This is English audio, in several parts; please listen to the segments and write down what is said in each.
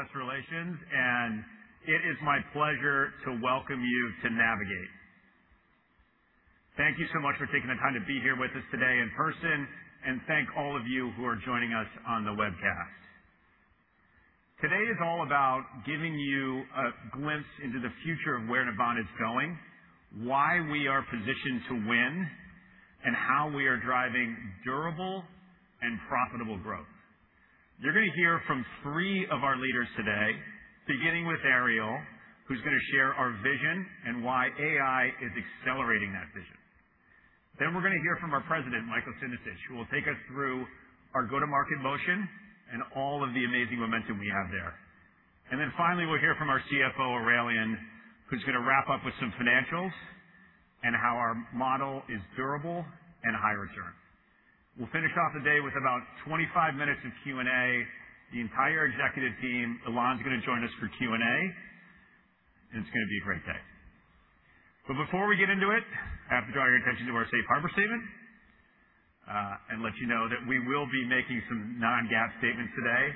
Hello, everyone. Good afternoon. My name is Ryan, Vice President of Investor Relations, and it is my pleasure to welcome you to Navigate. Thank you so much for taking the time to be here with us today in person, and thank all of you who are joining us on the webcast. Today is all about giving you a glimpse into the future of where Navan is going, why we are positioned to win, and how we are driving durable and profitable growth. You're gonna hear from three of our leaders today, beginning with Ariel, who's gonna share our vision and why AI is accelerating that vision. We're gonna hear from our President, Michael Sindicich, who will take us through our go-to-market motion and all of the amazing momentum we have there. Finally, we'll hear from our CFO, Aurélien, who's gonna wrap up with some financials and how our model is durable and high return. We'll finish off the day with about 25 minutes of Q&A. The entire executive team, Ilan's gonna join us for Q&A. It's gonna be a great day. Before we get into it, I have to draw your attention to our safe harbor statement, and let you know that we will be making some non-GAAP statements today,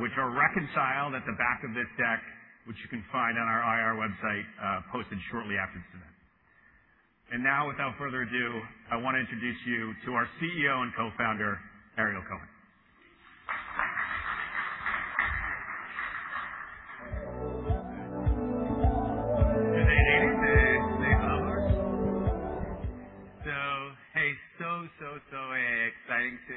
which are reconciled at the back of this deck, which you can find on our IR website, posted shortly after this event. Now, without further ado, I wanna introduce you to our CEO and Co-Founder, Ariel Cohen. Good day to you. Hey, so exciting to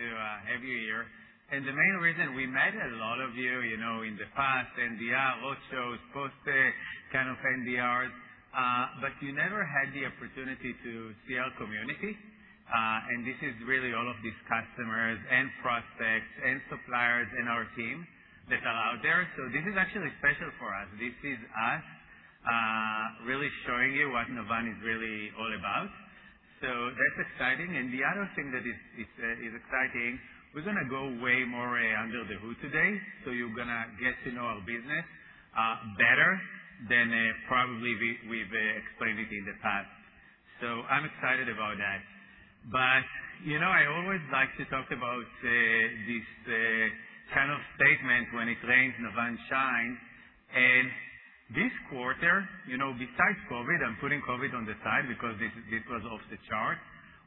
have you here. The main reason we met a lot of you know, in the past, NDR, roadshows, post, kind of NDRs. You never had the opportunity to see our community. This is really all of these customers and prospects and suppliers and our team that are out there. This is actually special for us. This is us really showing you what Navan is really all about. That's exciting. The other thing that is exciting, we're gonna go way more under the hood today. You're gonna get to know our business better than probably we've explained it in the past. I'm excited about that. You know, I always like to talk about this kind of statement when it rains, Navan shines. This quarter, you know, besides COVID, I'm putting COVID on the side because this was off the chart,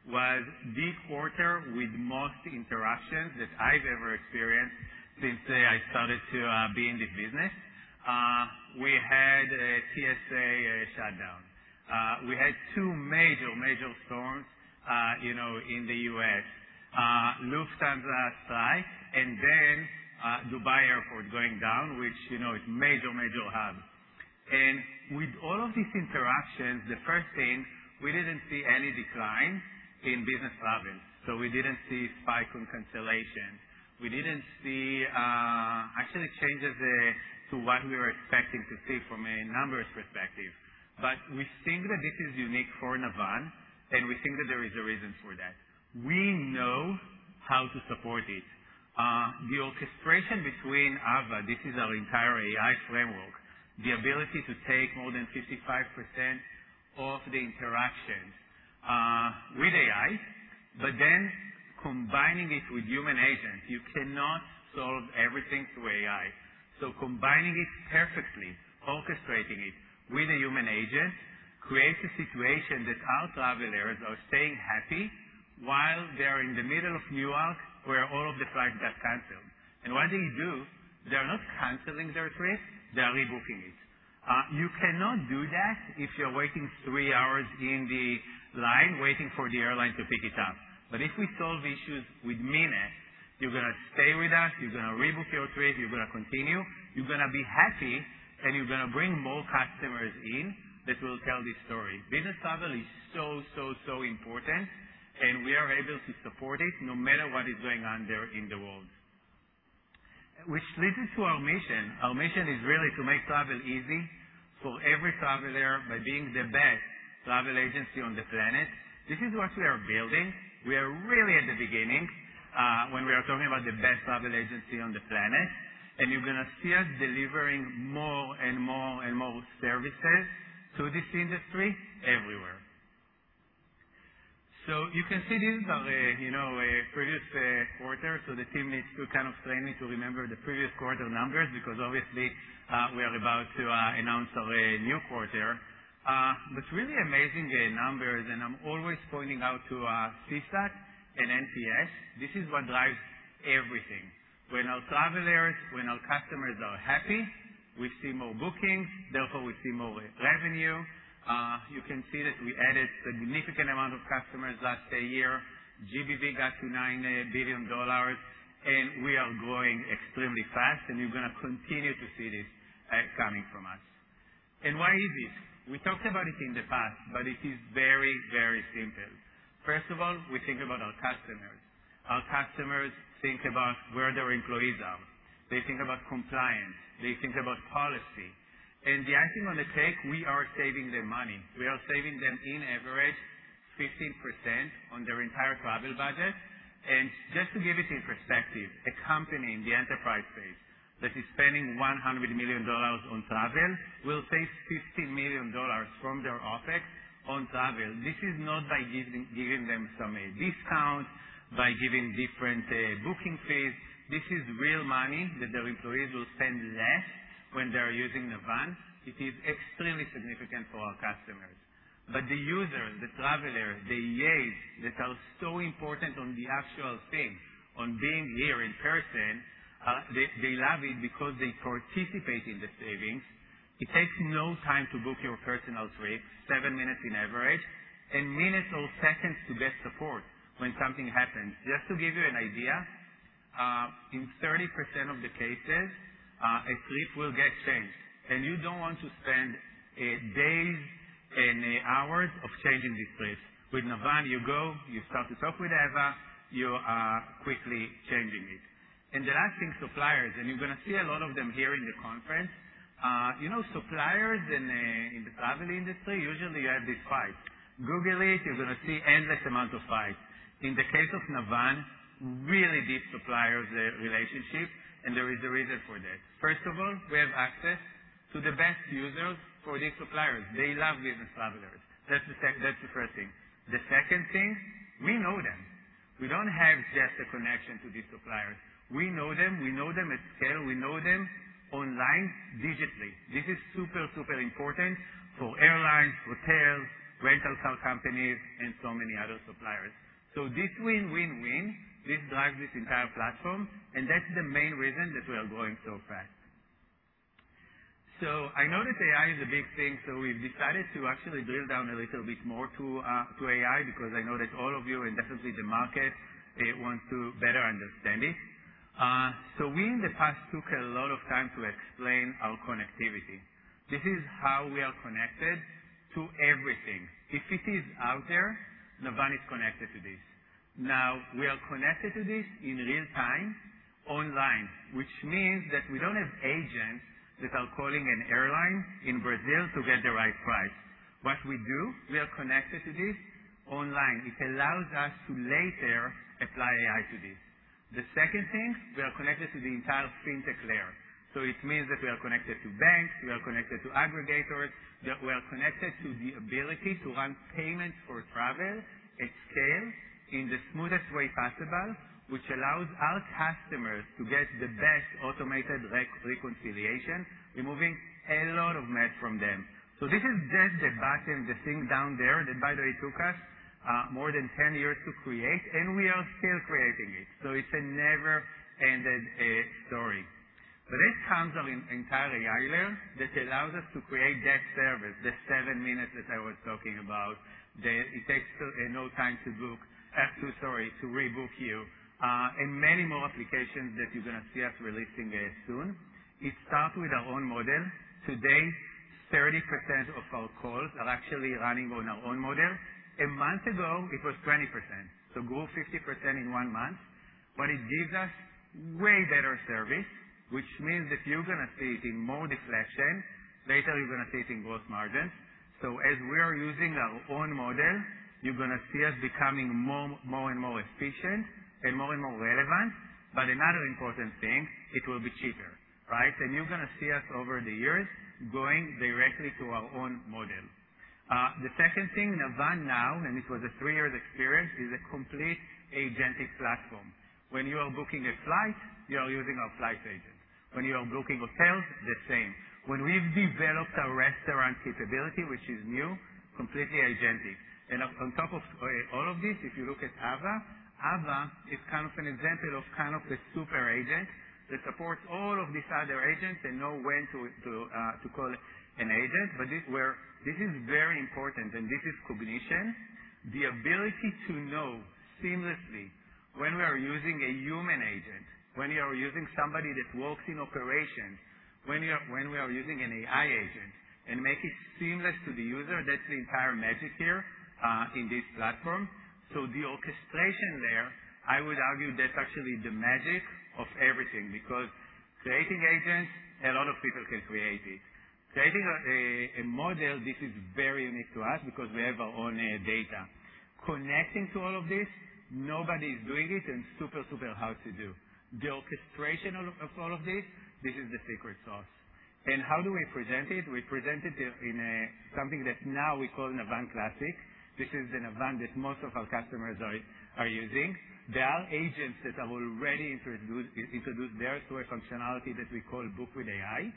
was the quarter with most interactions that I've ever experienced since I started to be in this business. We had a TSA shutdown. We had two major storms, you know, in the U.S. Lufthansa strike, Dubai Airport going down, which, you know, is major hub. With all of these interactions, the first thing, we didn't see any decline in business travel. We didn't see spike on cancellation. We didn't see actually changes to what we were expecting to see from a numbers perspective. We think that this is unique for Navan, and we think that there is a reason for that. We know how to support it. The orchestration between Ava, this is our entire AI framework, the ability to take more than 55% of the interactions with AI, but then combining it with human agents. You cannot solve everything through AI. Combining it perfectly, orchestrating it with a human agent, creates a situation that our travelers are staying happy while they are in the middle of Newark, where all of the flights got canceled. What do you do? They are not canceling their trip, they are rebooking it. You cannot do that if you're waiting 3 hours in the line waiting for the airline to pick it up. If we solve issues with minutes, you're gonna stay with us, you're gonna rebook your trip, you're gonna continue, you're gonna be happy, and you're gonna bring more customers in that will tell this story. Business travel is so, so important, and we are able to support it no matter what is going on there in the world. Which leads us to our mission. Our mission is really to make travel easy for every traveler by being the best travel agency on the planet. This is what we are building. We are really at the beginning, when we are talking about the best travel agency on the planet, and you're gonna see us delivering more and more and more services to this industry everywhere. You can see these are, you know, previous quarter. The team needs to kind of train me to remember the previous quarter numbers because obviously, we are about to announce our new quarter. But really amazing numbers, and I'm always pointing out to CSAT and NPS. This is what drives everything. When our travelers, when our customers are happy, we see more bookings, therefore, we see more revenue. You can see that we added significant amount of customers last year. GBV got to $9 billion, and we are growing extremely fast and you're gonna continue to see this coming from us. Why is this? We talked about it in the past, but it is very, very simple. First of all, we think about our customers. Our customers think about where their employees are. They think about compliance, they think about policy. The icing on the cake, we are saving them money. We are saving them in average 15% on their entire travel budget. Just to give it in perspective, a company in the enterprise space that is spending $100 million on travel will save $50 million from their OpEx on travel. This is not by giving them some discount, by giving different booking fees. This is real money that their employees will spend less when they're using Navan. It is extremely significant for our customers. The user, the traveler, the EAs that are so important on the actual thing, on being here in person, they love it because they participate in the savings. It takes no time to book your personal trip, 7 minutes in average, and minutes or seconds to get support when something happens. Just to give you an idea, in 30% of the cases, a trip will get changed. You don't want to spend days and hours of changing these trips. With Navan, you go, you start to talk with Ava, you are quickly changing it. The last thing, suppliers, and you're going to see a lot of them here in the conference. You know, suppliers in the travel industry, usually you have this fight. Google it, you're going to see endless amounts of fights. In the case of Navan, really deep suppliers relationship. There is a reason for that. First of all, we have access to the best users for these suppliers. They love business travelers. That's the first thing. The second thing, we know them. We don't have just a connection to these suppliers. We know them. We know them at scale. We know them online digitally. This is super important for airlines, hotels, rental car companies, and so many other suppliers. This win, win, this drives this entire platform, and that's the main reason that we are growing so fast. I know that AI is a big thing, so we've decided to actually drill down a little bit more to AI because I know that all of you, and definitely the market, wants to better understand it. We in the past took a lot of time to explain our connectivity. This is how we are connected to everything. If it is out there, Navan is connected to this. Now, we are connected to this in real time online, which means that we don't have agents that are calling an airline in Brazil to get the right price. What we do, we are connected to this online. It allows us to later apply AI to this. The second thing, we are connected to the entire FinTech layer. It means that we are connected to banks, we are connected to aggregators, that we are connected to the ability to run payments for travel at scale in the smoothest way possible, which allows our customers to get the best automated reconciliation, removing a lot of mess from them. This is just the back end, the thing down there, that by the way took us more than 10 years to create, and we are still creating it. It's a never-ended story. This tons of entire AI layer that allows us to create that service, the seven minutes that I was talking about, that it takes no time to book, sorry, to rebook you, and many more applications that you're gonna see us releasing soon. It starts with our own model. Today, 30% of our calls are actually running on our own model. One month ago, it was 20%, so grew 50% in one month. It gives us way better service, which means that you're gonna see it in more deflection. Later, you're gonna see it in gross margin. As we are using our own model, you're gonna see us becoming more and more efficient and more and more relevant. Another important thing, it will be cheaper, right? You're gonna see us over the years going directly to our own model. The second thing, Navan now, and it was a three-year experience, is a complete agentic platform. When you are booking a flight, you are using our flight agent. When you are booking hotels, the same. When we've developed a restaurant capability, which is new, completely agentic. On top of all of this, if you look at Ava is kind of an example of kind of the super agent that supports all of these other agents and know when to call an agent. This is very important, and this is Navan Cognition. The ability to know seamlessly when we are using a human agent, when we are using somebody that works in operation, when we are using an AI agent, and make it seamless to the user, that's the entire magic here in this platform. The orchestration there, I would argue that's actually the magic of everything because creating agents, a lot of people can create it. Creating a, a model, this is very unique to us because we have our own data. Connecting to all of this, nobody is doing it, and super hard to do. The orchestration of all of this is the secret sauce. How do we present it? We present it in something that now we call Navan Classic. This is the Navan that most of our customers are using. There are agents that have already introduced their store functionality that we call Book with AI.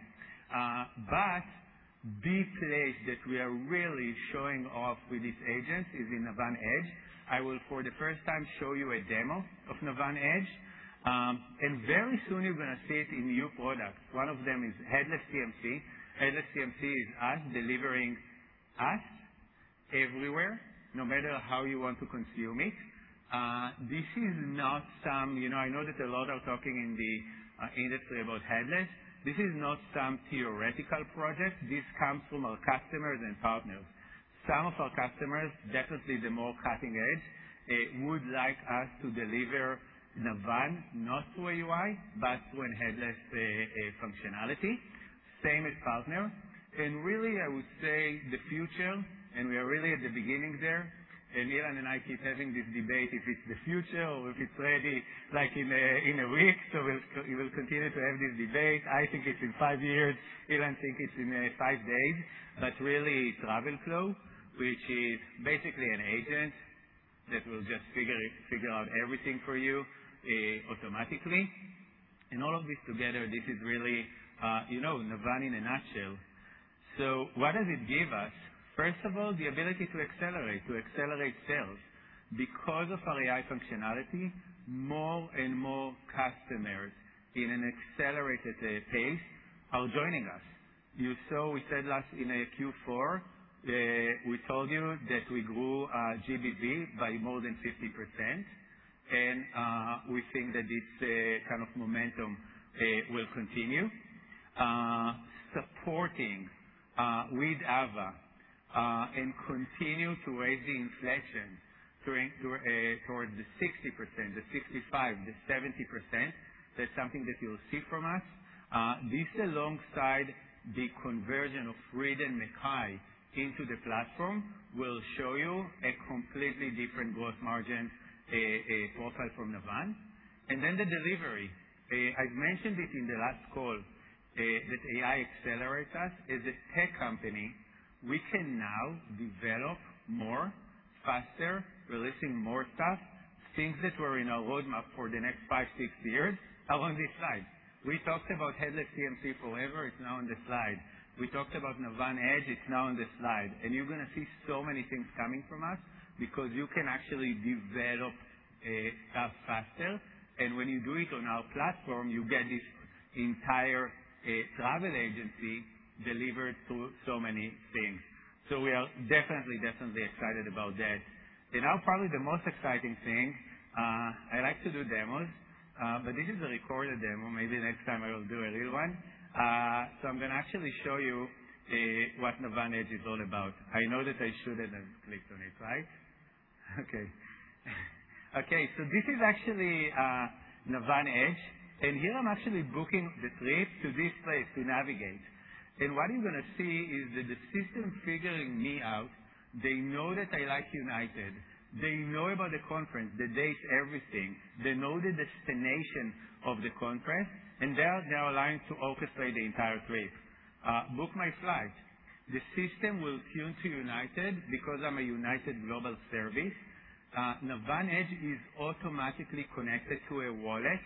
The place that we are really showing off with these agents is in Navan Edge. I will, for the first time, show you a demo of Navan Edge. Very soon you're gonna see it in new products. One of them is Headless TMC. Headless TMC is us delivering us everywhere, no matter how you want to consume it. This is not some, you know, I know that a lot are talking in the industry about headless. This is not some theoretical project. This comes from our customers and partners. Some of our customers, definitely the more cutting edge, would like us to deliver Navan, not to a UI, but to a headless functionality. Same as partners. Really, I would say the future, and we are really at the beginning there, and Ilan and I keep having this debate, if it's the future or if it's ready, like, in a week. We'll continue to have this debate. I think it's in five years. Ilan think it's in five days. Really, travel flow, which is basically an agent that will just figure out everything for you, automatically. All of this together, this is really, you know, Navan in a nutshell. What does it give us? First of all, the ability to accelerate sales. Because of our AI functionality, more and more customers in an accelerated pace are joining us. You saw we said last in Q4, we told you that we grew GBV by more than 50%. We think that this kind of momentum will continue. Supporting with Ava and continue to raise the deflection towards the 60%, the 65, the 70%. That's something that you'll see from us. This alongside the conversion of Reed & Mackay into the platform will show you a completely different gross margin profile from Navan. Then the delivery. I've mentioned it in the last call that AI accelerates us. As a tech company, we can now develop more faster, releasing more stuff. Things that were in our roadmap for the next 5, 6 years are on this slide. We talked about Headless TMC forever. It's now on the slide. We talked about Navan Edge. It's now on the slide. You're gonna see so many things coming from us because you can actually develop stuff faster. When you do it on our platform, you get this entire travel agency delivered through so many things. We are definitely excited about that. Now probably the most exciting thing, I like to do demos, but this is a recorded demo. Maybe next time I will do a real one. I'm gonna actually show you what Navan Edge is all about. I know that I shouldn't have clicked on it, right? Okay. Okay, this is actually Navan Edge. Here I'm actually booking the trip to this place, to Navigate. What you're gonna see is that the system figuring me out, they know that I like United. They know about the conference, the dates, everything. They know the destination of the conference, they are now aligned to orchestrate the entire trip. Book my flight. The system will tune to United because I'm a United Global Services. Navan Edge is automatically connected to a wallet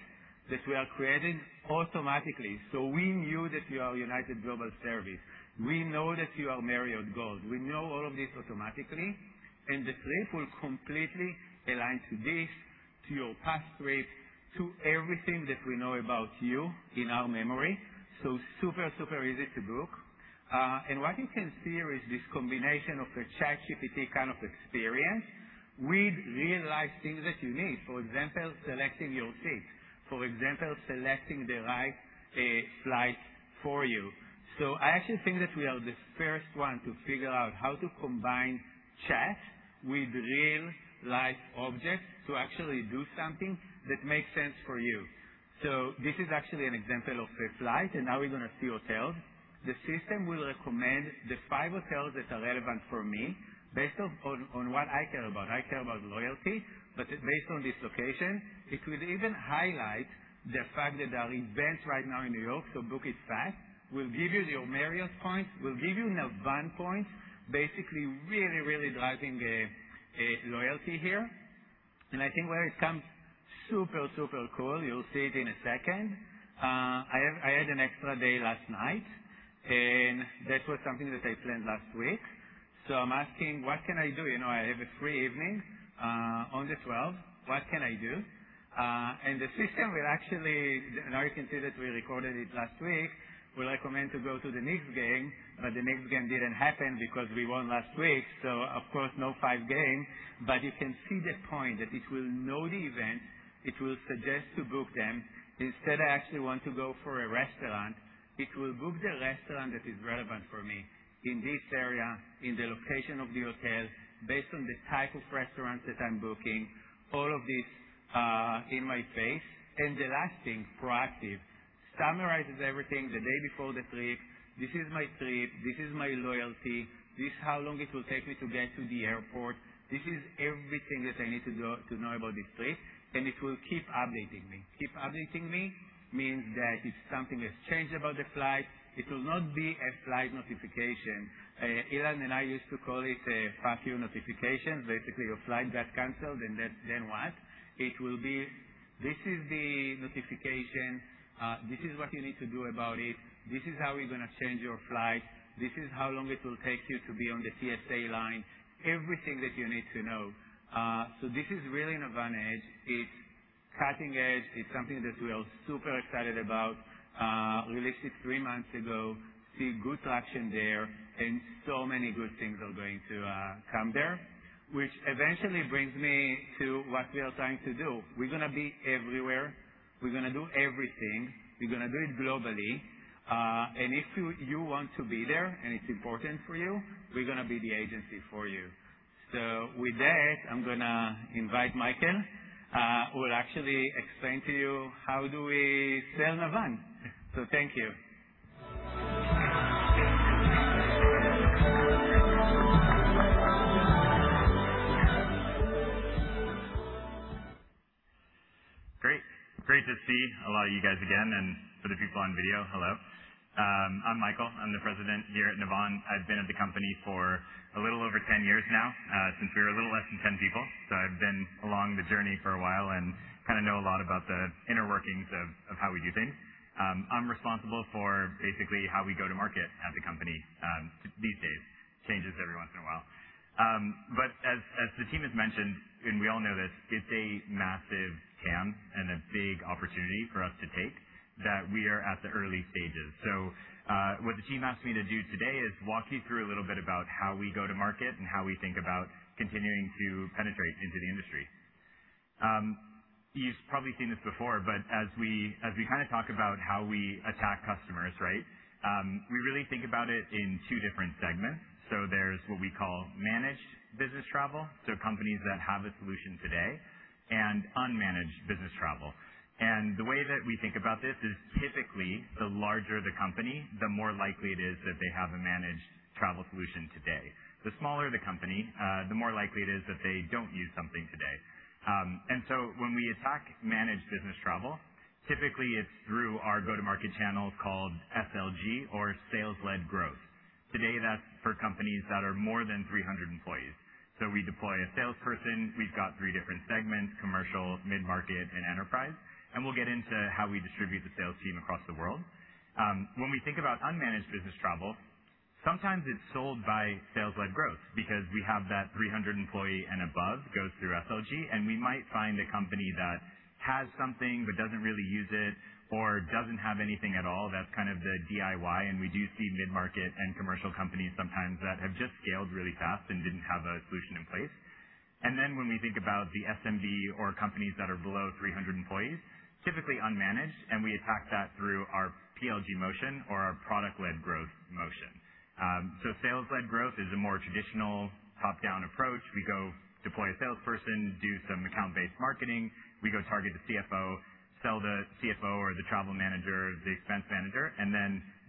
that we are creating automatically. We knew that you are United Global Services. We know that you are Marriott Gold. We know all of this automatically. The trip will completely align to this, to your past trip, to everything that we know about you in our memory. Super, super easy to book. What you can see here is this combination of a ChatGPT kind of experience with real-life things that you need. For example, selecting your seat. For example, selecting the right flight for you. I actually think that we are the first one to figure out how to combine chat with real-life objects to actually do something that makes sense for you. This is actually an example of a flight, and now we're gonna see hotels. The system will recommend the five hotels that are relevant for me based on what I care about. I care about loyalty, based on this location, it will even highlight the fact that there are events right now in New York, book it fast. Will give you your Marriott points, will give you Navan points. Basically, really driving a loyalty here. I think where it comes super cool, you'll see it in a second. I had an extra day last night, that was something that I planned last week. I'm asking: What can I do? You know, I have a free evening on the 12th. What can I do? The system will actually, now you can see that we recorded it last week, recommend to go to the Knicks game, but the Knicks game didn't happen because we won last week, so of course, no 5 game. You can see the point that it will know the event. It will suggest to book them. Instead, I actually want to go for a restaurant. It will book the restaurant that is relevant for me in this area, in the location of the hotel, based on the type of restaurant that I'm booking, all of this in my face. The last thing, proactive, summarizes everything the day before the trip. This is my trip. This is my loyalty. This how long it will take me to get to the airport. This is everything that I need to know about this trip. It will keep updating me. Keep updating me means that if something has changed about the flight, it will not be a flight notification. Ilan and I used to call it a fuck you notification. Your flight got canceled, then what? It will be, "This is the notification. This is what you need to do about it. This is how we're gonna change your flight. This is how long it will take you to be on the TSA line." Everything that you need to know. This is really Navan Edge. It's cutting edge. It's something that we are super excited about. Released it three months ago. See good traction there. Many good things are going to come there, which eventually brings me to what we are trying to do. We're going to be everywhere. We're going to do everything. We're going to do it globally. If you want to be there, and it's important for you, we're going to be the agency for you. With that, I'm going to invite Michael. Michael will actually explain to you how do we sell Navan. Thank you. Great. Great to see a lot of you guys again, and for the people on video, hello. I'm Michael. I'm the President here at Navan. I've been at the company for a little over 10 years now, since we were a little less than 10 people. I've been along the journey for a while and kind of know a lot about the inner workings of how we do things. I'm responsible for basically how we go-to-market as a company these days. Changes every once in a while. As the team has mentioned, and we all know this, it's a massive TAM and a big opportunity for us to take that we are at the early stages. What the team asked me to do today is walk you through a little bit about how we go-to-market and how we think about continuing to penetrate into the industry. You've probably seen this before, but as we kind of talk about how we attack customers, right, we really think about it in two different segments. There's what we call managed business travel, companies that have a solution today, and unmanaged business travel. The way that we think about this is typically the larger the company, the more likely it is that they have a managed travel solution today. The smaller the company, the more likely it is that they don't use something today. When we attack managed business travel, typically it's through our go-to-market channels called SLG or sales-led growth. Today, that's for companies that are more than 300 employees. We deploy a salesperson. We've got three different segments: commercial, mid-market, and enterprise. We'll get into how we distribute the sales team across the world. When we think about unmanaged business travel, sometimes it's sold by sales-led growth because we have that 300 employee and above goes through SLG, we might find a company that has something but doesn't really use it or doesn't have anything at all. That's kind of the DIY, we do see mid-market and commercial companies sometimes that have just scaled really fast and didn't have a solution in place. When we think about the SMB or companies that are below 300 employees, typically unmanaged, we attack that through our PLG motion or our product-led growth motion. Sales-led growth is a more traditional top-down approach. We go deploy a salesperson, do some account-based marketing. We go target the CFO, sell the CFO or the travel manager, the expense manager,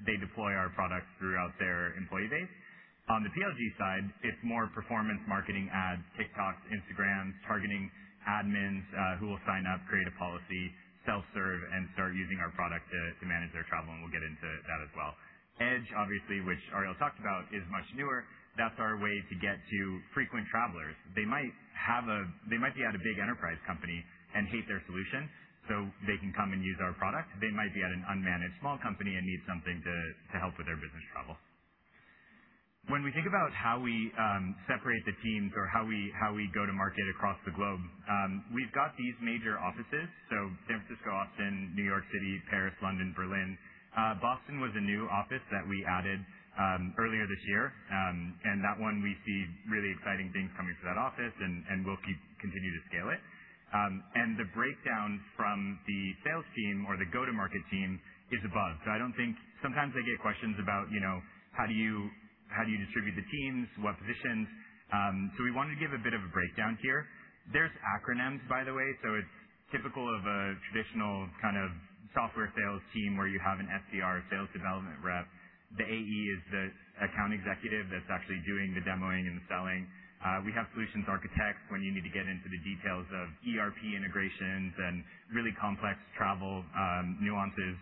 they deploy our product throughout their employee base. On the PLG side, it's more performance marketing ads, TikTok, Instagram, targeting admins, who will sign up, create a policy, self-serve, start using our product to manage their travel, we'll get into that as well. Edge, obviously, which Ariel talked about, is much newer. That's our way to get to frequent travelers. They might be at a big enterprise company and hate their solution, they can come and use our product. They might be at an unmanaged small company and need something to help with their business travel. When we think about how we separate the teams or how we go-to-market across the globe, we've got these major offices. San Francisco, Austin, New York City, Paris, London, Berlin. Boston was a new office that we added earlier this year. That one we see really exciting things coming through that office and we'll continue to scale it. The breakdown from the sales team or the go-to-market team is above. Sometimes I get questions about, you know, how do you distribute the teams? What positions? We wanted to give a bit of a breakdown here. There's acronyms, by the way, it's typical of a traditional kind of software sales team where you have an SDR, a sales development rep. The AE is the account executive that's actually doing the demoing and the selling. We have solutions architects when you need to get into the details of ERP integrations and really complex travel, nuances.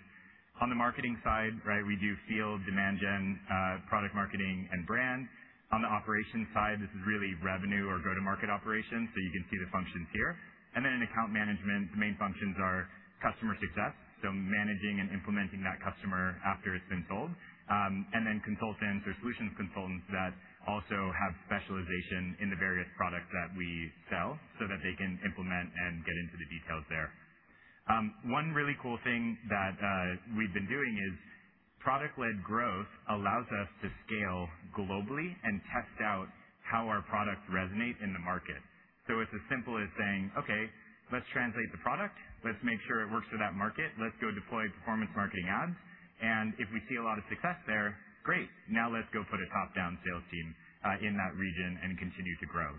On the marketing side, right, we do field, demand gen, product marketing, and brand. On the operations side, this is really revenue or go-to-market operations, so you can see the functions here. In account management, the main functions are customer success, so managing and implementing that customer after it's been sold. And then consultants or solutions consultants that also have specialization in the various products that we sell so that they can implement and get into the details there. One really cool thing that we've been doing is product-led growth allows us to scale globally and test out how our products resonate in the market. It's as simple as saying, "Okay, let's translate the product. Let's make sure it works for that market. Let's go deploy performance marketing ads, and if we see a lot of success there, great. Now let's go put a top-down sales team in that region and continue to grow."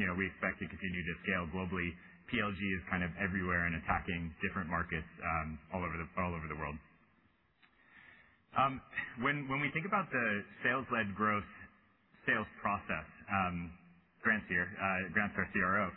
You know, we expect to continue to scale globally. PLG is kind of everywhere and attacking different markets all over the, all over the world. When, when we think about the sales-led growth sales process, Grant's here. Grant's our CRO.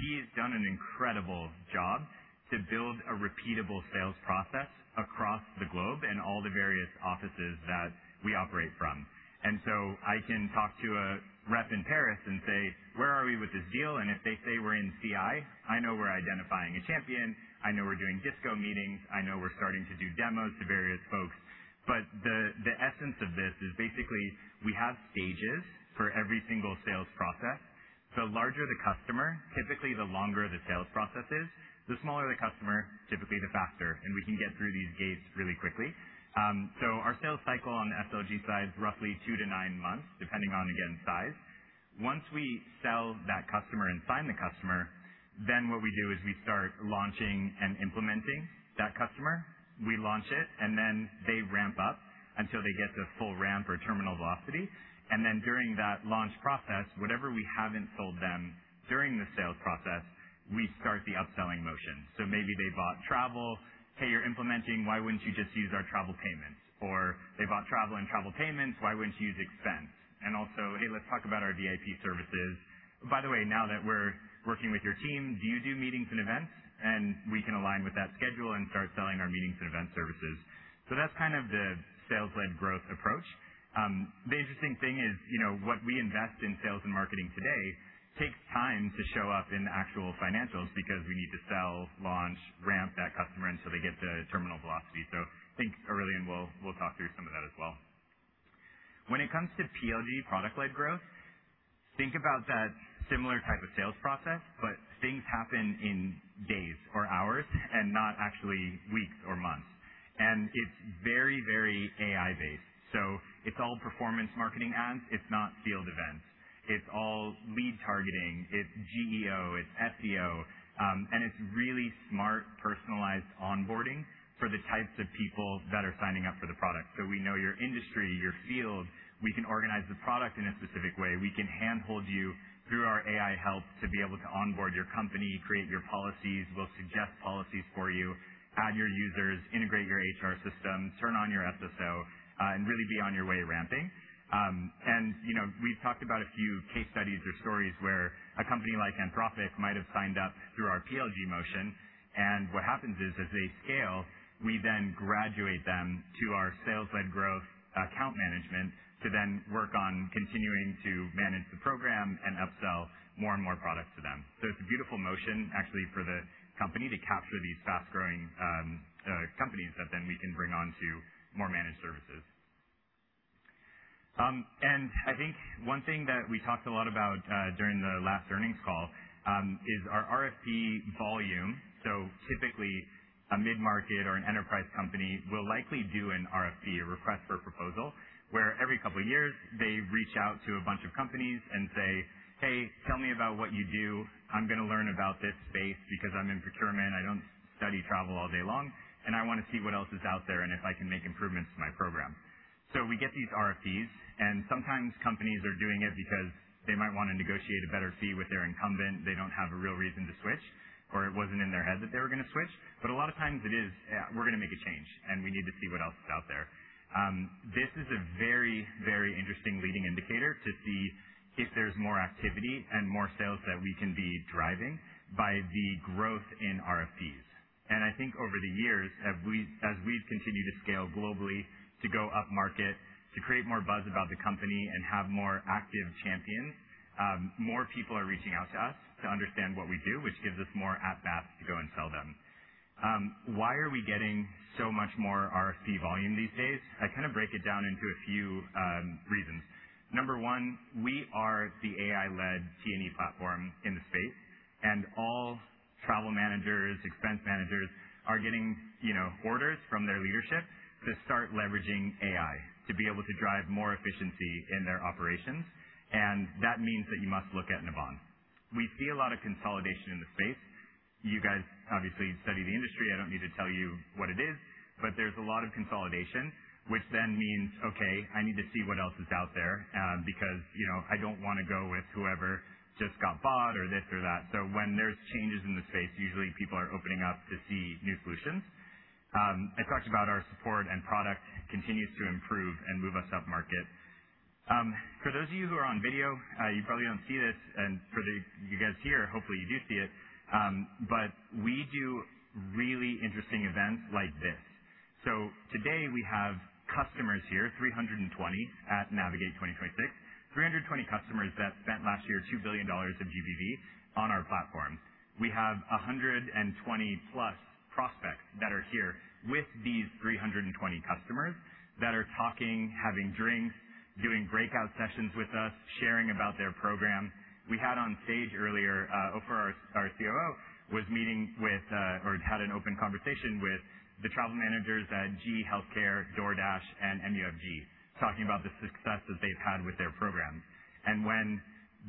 He's done an incredible job to build a repeatable sales process across the globe and all the various offices that we operate from. I can talk to a rep in Paris and say, "Where are we with this deal?" If they say, "We're in CI," I know we're identifying a champion, I know we're doing disco meetings, I know we're starting to do demos to various folks. The essence of this is basically we have stages for every single sales process. The larger the customer, typically the longer the sales process is. The smaller the customer, typically the faster, and we can get through these gates really quickly. Our sales cycle on the SLG side is roughly two to nine months, depending on, again, size. Once we sell that customer and sign the customerThen what we do is we start launching and implementing that customer. We launch it, and then they ramp up until they get to full ramp or terminal velocity. During that launch process, whatever we haven't sold them during the sales process, we start the upselling motion. Maybe they bought travel. "Hey, you're implementing, why wouldn't you just use our travel payments?" They bought travel and travel payments, "Why wouldn't you use expense?" "Hey, let's talk about our VIP services." By the way, now that we're working with your team, do you do meetings and events? We can align with that schedule and start selling our meetings and event services. That's kind of the sales-led growth approach. The interesting thing is, you know, what we invest in sales and marketing today takes time to show up in the actual financials because we need to sell, launch, ramp that customer until they get to terminal velocity. I think Aurélien will talk through some of that as well. When it comes to PLG, product-led growth, think about that similar type of sales process, but things happen in days or hours and not actually weeks or months. It's very, very AI-based. It's all performance marketing ads. It's not field events. It's all lead targeting. It's GEO, it's SEO, and it's really smart, personalized onboarding for the types of people that are signing up for the product. We know your industry, your field. We can organize the product in a specific way. We can handhold you through our AI help to be able to onboard your company, create your policies. We'll suggest policies for you, add your users, integrate your HR system, turn on your SSO, and really be on your way ramping. You know, we've talked about a few case studies or stories where a company like Anthropic might have signed up through our PLG motion, and what happens is as they scale, we then graduate them to our sales-led growth account management to then work on continuing to manage the program and upsell more and more products to them. It's a beautiful motion, actually, for the company to capture these fast-growing companies that then we can bring on to more managed services. I think one thing that we talked a lot about during the last earnings call is our RFP volume. Typically, a mid-market or an enterprise company will likely do an RFP, a request for proposal, where every couple of years they reach out to a bunch of companies and say, "Hey, tell me about what you do. I'm gonna learn about this space because I'm in procurement. I don't study travel all day long, and I wanna see what else is out there and if I can make improvements to my program. We get these RFPs, and sometimes companies are doing it because they might wanna negotiate a better fee with their incumbent. They don't have a real reason to switch, or it wasn't in their head that they were gonna switch. A lot of times it is, we're gonna make a change, and we need to see what else is out there. This is a very, very interesting leading indicator to see if there's more activity and more sales that we can be driving by the growth in RFPs. I think over the years, as we've continued to scale globally, to go upmarket, to create more buzz about the company and have more active champions, more people are reaching out to us to understand what we do, which gives us more at-bats to go and sell them. Why are we getting so much more RFP volume these days? I kind of break it down into a few reasons. Number one, we are the AI-led T&E platform in the space, and all travel managers, expense managers are getting, you know, orders from their leadership to start leveraging AI to be able to drive more efficiency in their operations. That means that you must look at Navan. We see a lot of consolidation in the space. You guys obviously study the industry. I don't need to tell you what it is, but there's a lot of consolidation, which then means, okay, I need to see what else is out there, because, you know, I don't wanna go with whoever just got bought or this or that. When there's changes in the space, usually people are opening up to see new solutions. I talked about our support and product continues to improve and move us upmarket. For those of you who are on video, you probably don't see this, and for you guys here, hopefully you do see it. We do really interesting events like this. Today we have customers here, 320 at Navigate 2026. 320 customers that spent last year $2 billion of GBV on our platform. We have 120-plus prospects that are here with these 320 customers that are talking, having drinks, doing breakout sessions with us, sharing about their program. We had on stage earlier, Ofer, our COO, had an open conversation with the travel managers at GE HealthCare, DoorDash, and MUFG, talking about the success that they've had with their program. When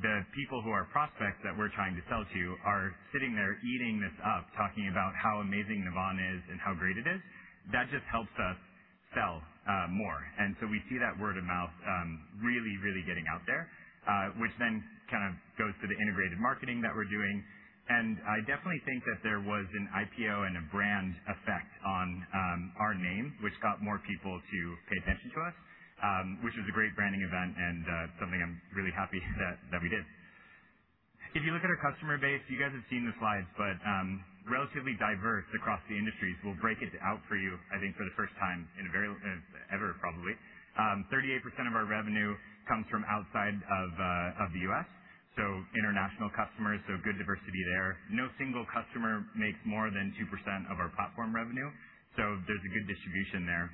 the people who are prospects that we're trying to sell to are sitting there eating this up, talking about how amazing Navan is and how great it is, that just helps us sell more. We see that word of mouth, really, really getting out there, which then kind of goes to the integrated marketing that we're doing. I definitely think that there was an IPO and a brand effect on our name, which got more people to pay attention to us, which was a great branding event and something I'm really happy that we did. If you look at our customer base, you guys have seen the slides, relatively diverse across the industries. We'll break it out for you, I think for the first time in a very ever, probably. 38% of our revenue comes from outside of the U.S., so international customers, so good diversity there. No single customer makes more than 2% of our platform revenue, so there's a good distribution there.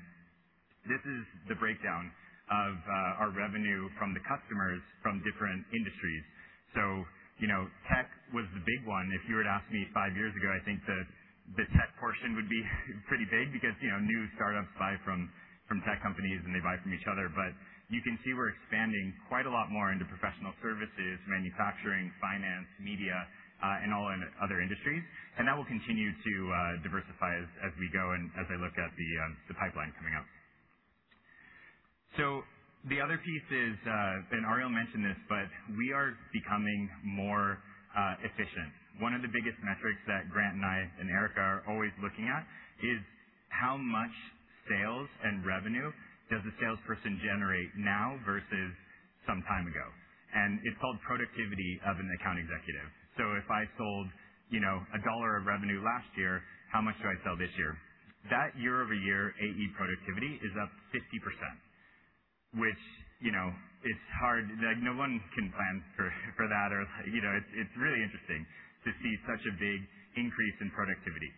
This is the breakdown of our revenue from the customers from different industries. You know, tech was the big one. If you were to ask me five years ago, I think the tech portion would be pretty big because, you know, new startups buy from tech companies and they buy from each other. You can see we're expanding quite a lot more into professional services, manufacturing, finance, media, and all in other industries. That will continue to diversify as we go and as I look at the pipeline coming up. The other piece is, and Ariel mentioned this, but we are becoming more efficient. One of the biggest metrics that Grant and I and Erica are always looking at is how much sales and revenue does a salesperson generate now versus some time ago. It's called productivity of an Account Executive. If I sold, you know, a dollar of revenue last year, how much do I sell this year? That year-over-year AE productivity is up 50%, which, you know, it's hard. Like, no one can plan for that or, you know, it's really interesting to see such a big increase in productivity.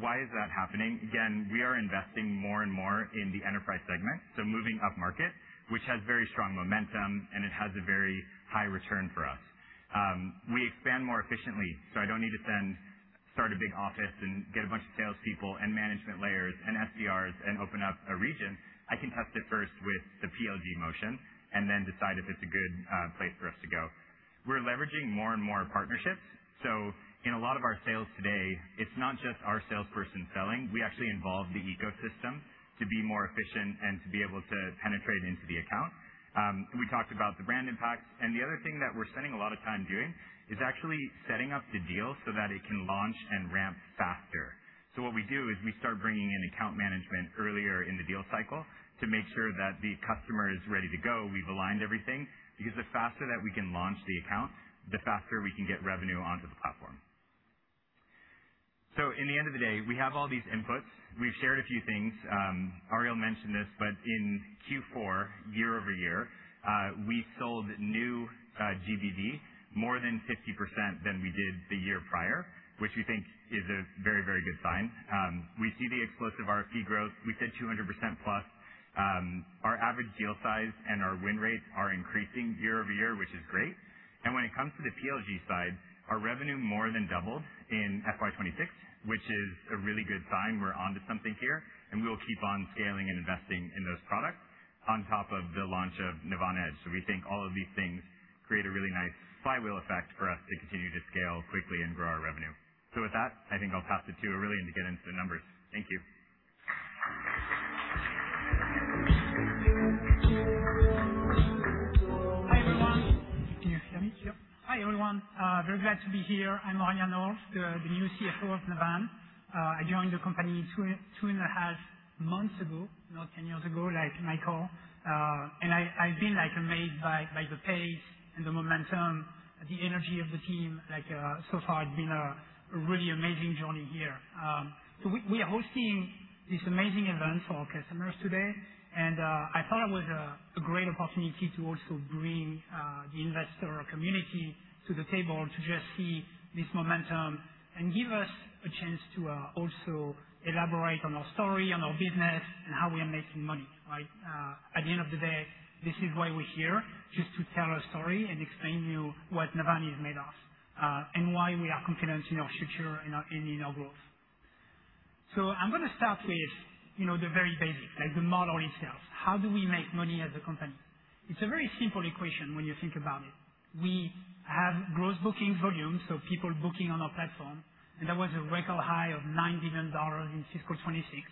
Why is that happening? Again, we are investing more and more in the enterprise segment, so moving upmarket, which has very strong momentum, and it has a very high return for us. We expand more efficiently, so I don't need to start a big office and get a bunch of salespeople and management layers and SDRs and open up a region. I can test it first with the PLG motion and then decide if it's a good place for us to go. We're leveraging more and more partnerships. In a lot of our sales today, it's not just our salesperson selling. We actually involve the ecosystem to be more efficient and to be able to penetrate into the account. We talked about the brand impact, and the other thing that we're spending a lot of time doing is actually setting up the deal so that it can launch and ramp faster. What we do is we start bringing in account management earlier in the deal cycle to make sure that the customer is ready to go. We've aligned everything because the faster that we can launch the account, the faster we can get revenue onto the platform. In the end of the day, we have all these inputs. We've shared a few things. Ariel mentioned this, in Q4, year-over-year, we sold new GBV more than 50% than we did the year prior, which we think is a very, very good sign. We see the explosive R&M growth. We said 200%+. Our average deal size and our win rates are increasing year-over-year, which is great. When it comes to the PLG side, our revenue more than doubled in FY 2026, which is a really good sign we're onto something here, and we'll keep on scaling and investing in those products on top of the launch of Navan Edge. We think all of these things create a really nice flywheel effect for us to continue to scale quickly and grow our revenue. With that, I think I'll pass it to Aurélien to get into the numbers. Thank you. Hi, everyone. Can you hear me? Hi, everyone. Very glad to be here. I'm Aurélien Nolf, the new CFO of Navan. I joined the company two and a half months ago, not 10 years ago like Michael. And I've been, like, amazed by the pace and the momentum, the energy of the team. Like, so far it's been a really amazing journey here. We are hosting this amazing event for our customers today, and I thought it was a great opportunity to also bring the investor community to the table to just see this momentum and give us a chance to also elaborate on our story, on our business, and how we are making money, right? At the end of the day, this is why we're here, just to tell our story and explain to you what Navan is made of, and why we are confident in our future and in our growth. I'm gonna start with, you know, the very basics, like the model itself. How do we make money as a company? It's a very simple equation when you think about it. We have gross booking volume, so people booking on our platform, and that was a record high of $9 billion in fiscal 2026.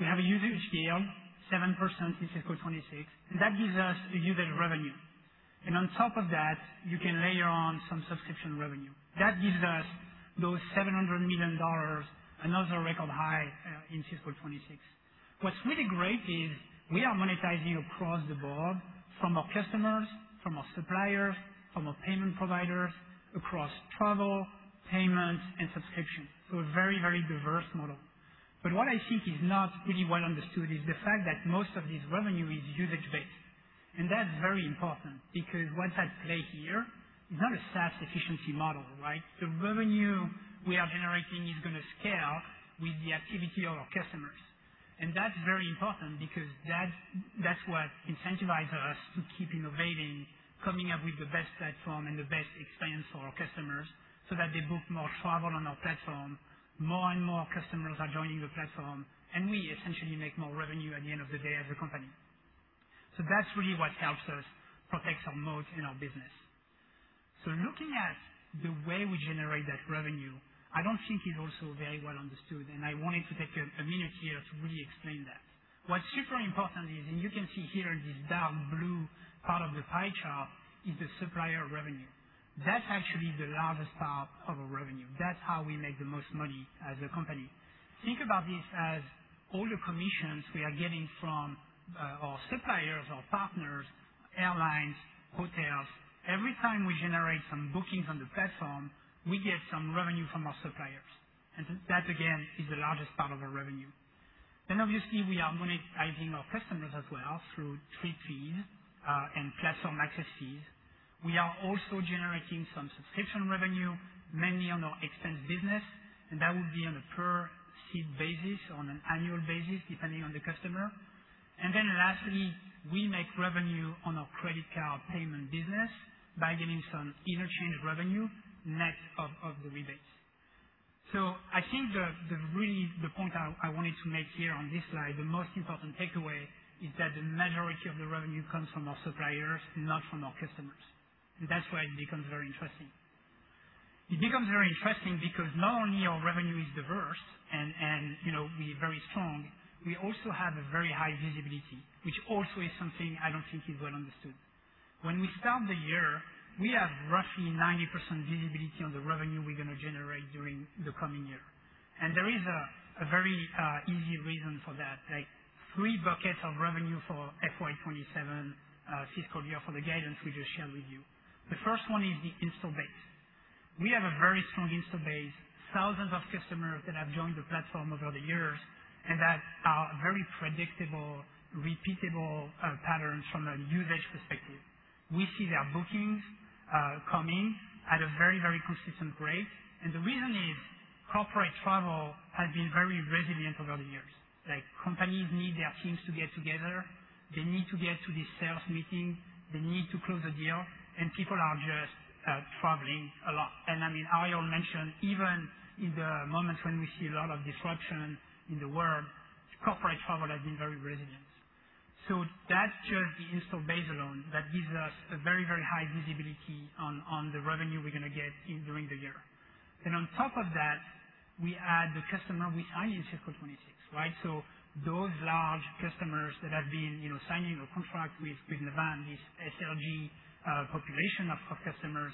We have a usage scale, 7% in fiscal 2026, and that gives us a usage revenue. On top of that, you can layer on some subscription revenue. That gives us those $700 million, another record high, in fiscal 2026. What's really great is we are monetizing across the board from our customers, from our suppliers, from our payment providers, across travel, payments, and subscriptions. A very, very diverse model. What I think is not really well understood is the fact that most of this revenue is usage-based. That's very important because what's at play here is not a SaaS efficiency model, right? The revenue we are generating is gonna scale with the activity of our customers. That's very important because that's what incentivizes us to keep innovating, coming up with the best platform and the best experience for our customers so that they book more travel on our platform. More and more customers are joining the platform, and we essentially make more revenue at the end of the day as a company. That's really what helps us protect our moat in our business. Looking at the way we generate that revenue, I don't think it's also very well understood, and I wanted to take a minute here to really explain that. What's super important is, and you can see here in this dark blue part of the pie chart, is the supplier revenue. That's actually the largest part of our revenue. That's how we make the most money as a company. Think about this as all the commissions we are getting from our suppliers, our partners, airlines, hotels. Every time we generate some bookings on the platform, we get some revenue from our suppliers. That again, is the largest part of our revenue. Obviously, we are charging our customers as well through travel fees and platform access fees. We are also generating some subscription revenue, mainly on our expense business, and that will be on a per seat basis, on an annual basis, depending on the customer. Lastly, we make revenue on our credit card payment business by getting some interchange revenue net of the rebates. I think the point I wanted to make here on this slide, the most important takeaway is that the majority of the revenue comes from our suppliers, not from our customers. That's why it becomes very interesting. It becomes very interesting because not only our revenue is diverse and, you know, we very strong, we also have a very high visibility, which also is something I don't think is well understood. When we start the year, we have roughly 90% visibility on the revenue we're gonna generate during the coming year. There is a very easy reason for that. Like, three buckets of revenue for FY 2027 fiscal year for the guidance we just shared with you. The first one is the install base. We have a very strong install base, thousands of customers that have joined the platform over the years, and that are very predictable, repeatable patterns from a usage perspective. We see their bookings come in at a very consistent rate. The reason is corporate travel has been very resilient over the years. Like, companies need their teams to get together. They need to get to the sales meeting. They need to close a deal, and people are just traveling a lot. I mean, Ariel mentioned, even in the moments when we see a lot of disruption in the world, corporate travel has been very resilient. That's just the install base alone that gives us a very, very high visibility on the revenue we're gonna get in during the year. On top of that, we add the customer we signed in fiscal 2026, right? Those large customers that have been, you know, signing a contract with Navan, this SLG population of customers,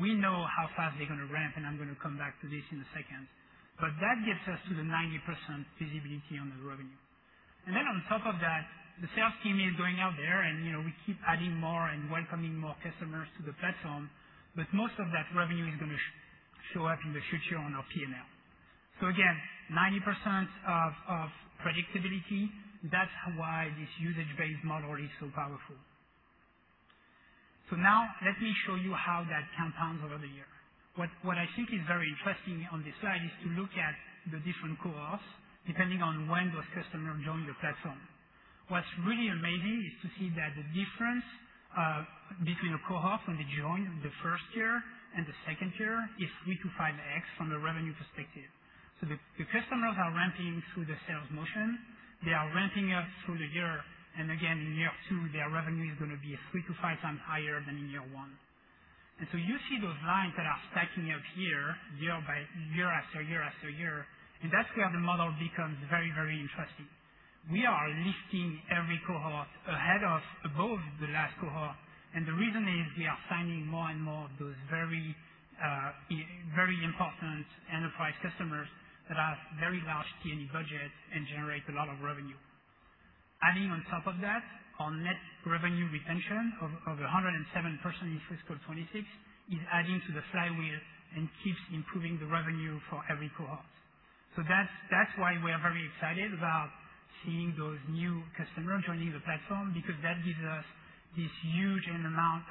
we know how fast they're gonna ramp, and I'm gonna come back to this in a second. That gets us to the 90% visibility on the revenue. On top of that, the sales team is going out there and, you know, we keep adding more and welcoming more customers to the platform, but most of that revenue is gonna show up in the future on our P&L. Again, 90% of predictability, that's why this usage-based model is so powerful. Now let me show you how that compounds over the year. What I think is very interesting on this slide is to look at the different cohorts depending on when those customers joined the platform. What's really amazing is to see that the difference between a cohort when they join the first year and the second year is 3-5x from a revenue perspective. The customers are ramping through the sales motion. They are ramping up through the year, and again, in year two, their revenue is gonna be 3-5 times higher than in year one. You see those lines that are stacking up here, year after year after year, and that's where the model becomes very, very interesting. We are lifting every cohort ahead of above the last cohort. The reason is we are signing more and more of those very important enterprise customers that have very large T&E budget and generate a lot of revenue. Adding on top of that, our net revenue retention of 107% in fiscal 2026 is adding to the flywheel and keeps improving the revenue for every cohort. That's why we are very excited about seeing those new customers joining the platform because that gives us this huge amount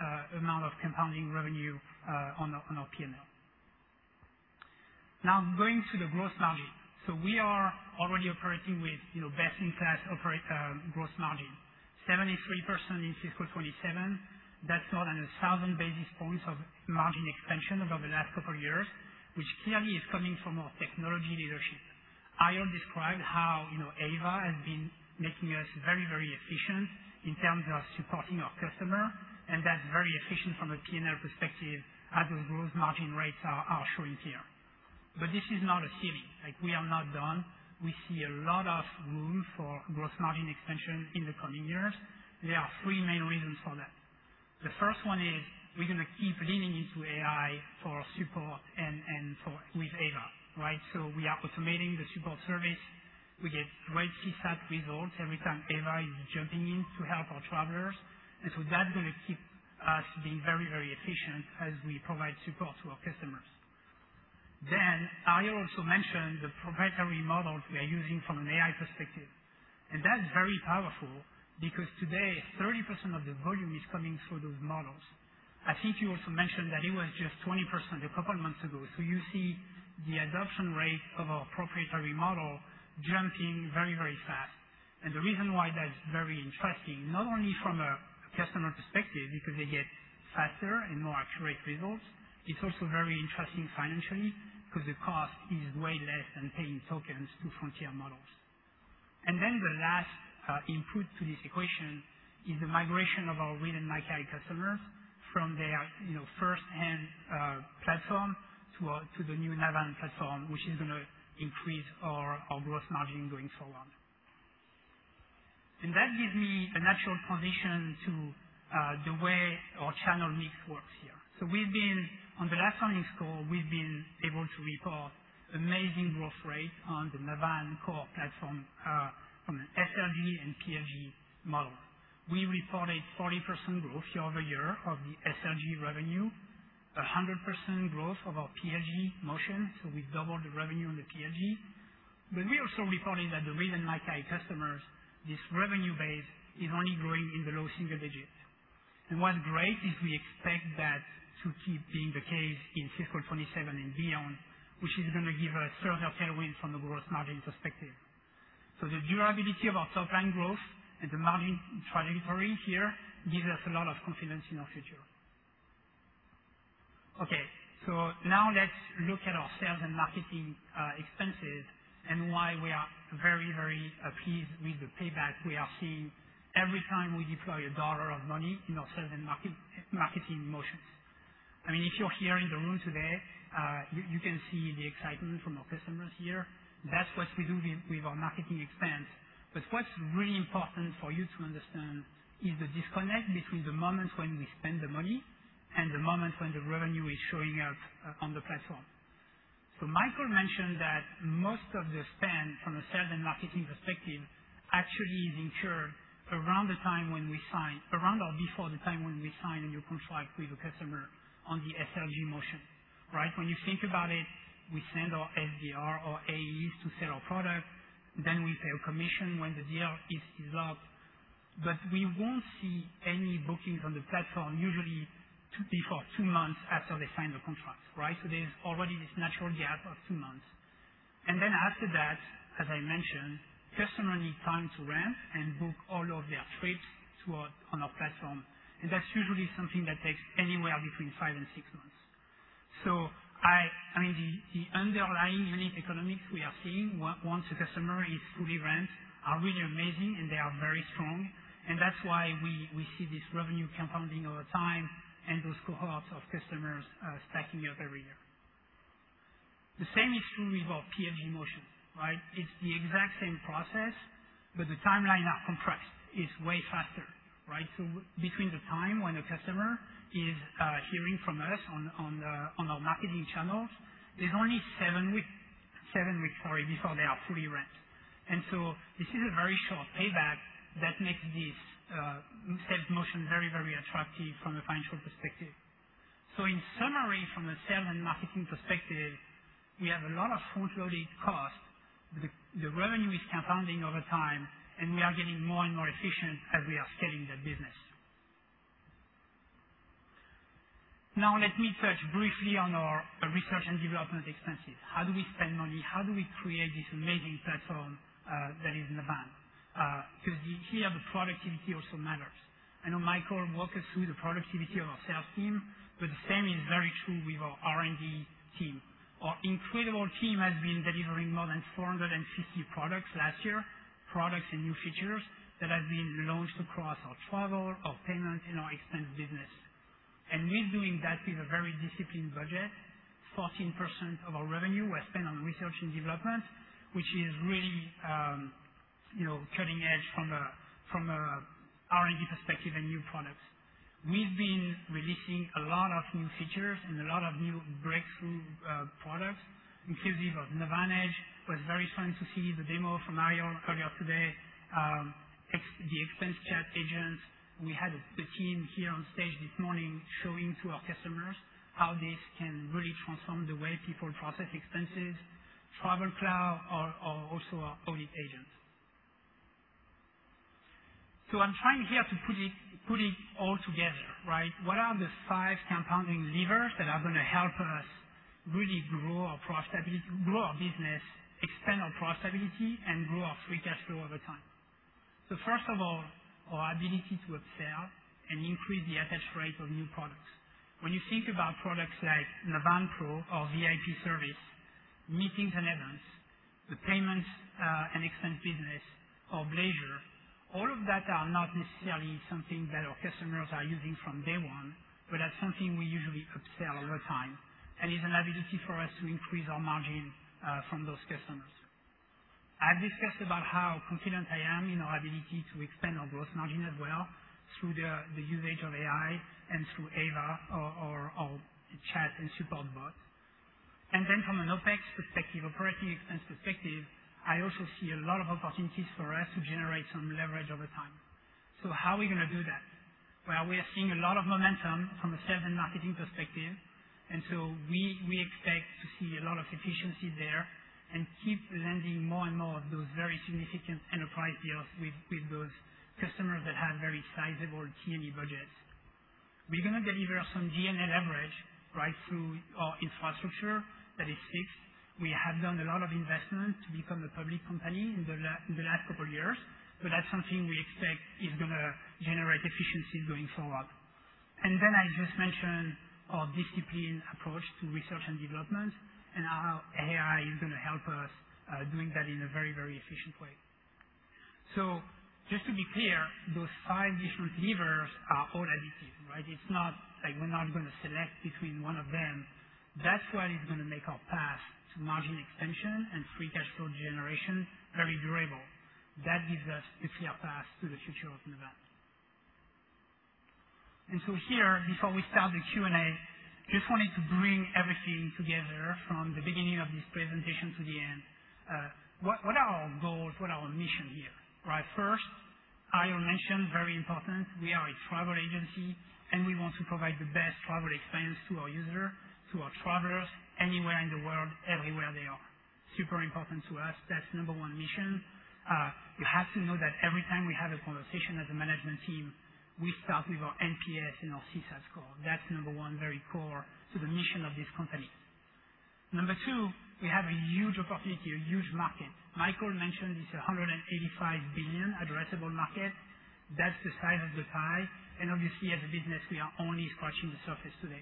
of compounding revenue on our P&L. Going to the gross margin. We are already operating with, you know, best-in-class gross margin. 73% in fiscal 2027. That's more than 1,000 basis points of margin expansion over the last couple of years, which clearly is coming from our technology leadership. Ariel described how, you know, Ava has been making us very efficient in terms of supporting our customer. That's very efficient from a P&L perspective as those gross margin rates are showing here. This is not a ceiling. Like, we are not done. We see a lot of room for gross margin expansion in the coming years. There are three main reasons for that. The first one is we're gonna keep leaning into AI for support and for with Ava, right? We are automating the support service. We get great CSAT results every time Ava is jumping in to help our travelers. That's gonna keep us being very efficient as we provide support to our customers. Ariel also mentioned the proprietary models we are using from an AI perspective, and that's very powerful because today, 30% of the volume is coming through those models. I think you also mentioned that it was just 20% a couple months ago. You see the adoption rate of our proprietary model jumping very, very fast. The reason why that's very interesting, not only from a customer perspective, because they get faster and more accurate results, it's also very interesting financially because the cost is way less than paying tokens to frontier models. The last input to this equation is the migration of our Reed & Mackay customers from their, you know, first-hand platform to the new Navan platform, which is going to increase our gross margin going forward. That gives me a natural transition to the way our channel mix works here. On the last earnings call, we've been able to report amazing growth rate on the Navan core platform from an SLG and PLG model. We reported 40% growth year-over-year of the SLG revenue. 100% growth of our PLG motion, so we've doubled the revenue on the PLG. We also reported that the reason like our customers, this revenue base is only growing in the low single digits. What's great is we expect that to keep being the case in fiscal 2027 and beyond, which is going to give us further tailwind from the growth margin perspective. The durability of our top line growth and the margin trajectory here gives us a lot of confidence in our future. Okay. Now let's look at our sales and marketing expenses and why we are very appeased with the payback we are seeing every time we deploy a dollar of money in our sales and marketing motions. I mean, if you're here in the room today, you can see the excitement from our customers here. That's what we do with our marketing expense. What's really important for you to understand is the disconnect between the moments when we spend the money and the moment when the revenue is showing up on the platform. Michael mentioned that most of the spend from a sales and marketing perspective actually is incurred around or before the time when we sign a new contract with the customer on the SLG motion. Right? When you think about it, we send our SDR or AEs to sell our product, then we pay a commission when the deal is up. We won't see any bookings on the platform usually before two months after they sign the contract. Right? There's already this natural gap of two months. After that, as I mentioned, customer need time to ramp and book all of their trips on our platform. That's usually something that takes anywhere between five and six months. I mean, the underlying unit economics we are seeing once a customer is fully ramped are really amazing, and they are very strong. That's why we see this revenue compounding over time and those cohorts of customers stacking up every year. The same is true with our PLG motion, right? The timelines are compressed. It's way faster, right? Between the time when a customer is hearing from us on our marketing channels, there's only seven weeks before they are fully ramped. This is a very short payback that makes this sales motion very, very attractive from a financial perspective. In summary, from a sales and marketing perspective, we have a lot of front-loaded costs, but the revenue is compounding over time, and we are getting more and more efficient as we are scaling the business. Let me touch briefly on our R&D expenses. How do we spend money? How do we create this amazing platform that is in Navan? Here the productivity also matters. I know Michael walked us through the productivity of our sales team. The same is very true with our R&D team. Our incredible team has been delivering more than 450 products last year, products and new features that have been launched across our travel, our payment, and our expense business. We're doing that with a very disciplined budget. 14% of our revenue was spent on research and development, which is really, you know, cutting edge from a R&D perspective and new products. We've been releasing a lot of new features and a lot of new breakthrough products, inclusive of Navan Edge. It was very fun to see the demo from Ariel earlier today. The expense chat agents, we had the team here on stage this morning showing to our customers how this can really transform the way people process expenses. TravelClaw are also our audit agent. I'm trying here to put it all together, right? What are the five compounding levers that are going to help us really grow our business, expand our profitability, and grow our free cash flow over time? First of all, our ability to upsell and increase the attach rate of new products. When you think about products like Navan Pro or VIP service, meetings and events, the payments, and expense business or leisure, all of that are not necessarily something that our customers are using from day one, but that's something we usually upsell over time and is an ability for us to increase our margin from those customers. I've discussed about how confident I am in our ability to expand our growth margin as well through the usage of AI and through Ava or the chat and support bot. From an OpEx perspective, operating expense perspective, I also see a lot of opportunities for us to generate some leverage over time. How are we gonna do that? Well, we are seeing a lot of momentum from a sales and marketing perspective, we expect to see a lot of efficiency there and keep landing more and more of those very significant enterprise deals with those customers that have very sizable T&E budgets. We're gonna deliver some G&A leverage right through our infrastructure that is fixed. We have done a lot of investment to become a public company in the last couple of years, that's something we expect is gonna generate efficiencies going forward. I just mentioned our disciplined approach to research and development and how AI is gonna help us doing that in a very, very efficient way. Just to be clear, those five different levers are all additive, right? It's not like we're now gonna select between one of them. That's what is gonna make our path to margin expansion and free cash flow generation very durable. That gives us a clear path to the future of Navan. Here, before we start the Q&A, just wanted to bring everything together from the beginning of this presentation to the end. What are our goals? What are our mission here. First, I will mention, very important, we are a travel agency, and we want to provide the best travel experience to our user, to our travelers anywhere in the world, everywhere they are. Super important to us. That's number one mission. You have to know that every time we have a conversation as a management team, we start with our NPS and our CSAT score. That's number one, very core to the mission of this company. Number two, we have a huge opportunity, a huge market. Michael mentioned it's a $185 billion addressable market. That's the size of the pie. Obviously, as a business, we are only scratching the surface today.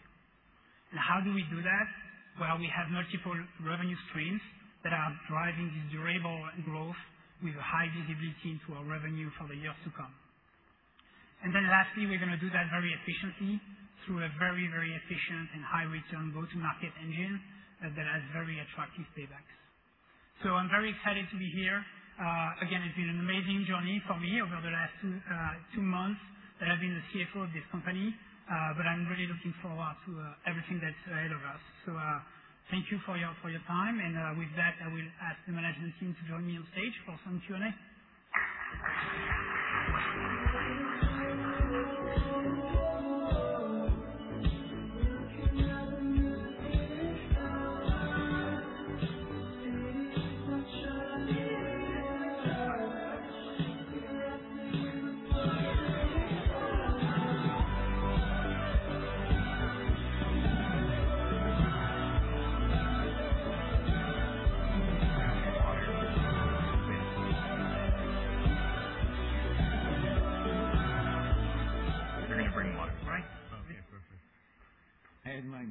How do we do that? Well, we have multiple revenue streams that are driving the durable growth with a high visibility into our revenue for the years to come. Lastly, we're gonna do that very efficiently through a very efficient and high return go-to-market engine that has very attractive paybacks. I'm very excited to be here. Again, it's been an amazing journey for me over the last two months that I've been the CFO of this company. I'm really looking forward to everything that's ahead of us. Thank you for your time. With that, I will ask the management team to join me on stage for some Q&A. You're gonna bring water, right? Yeah. Okay, perfect. I have mine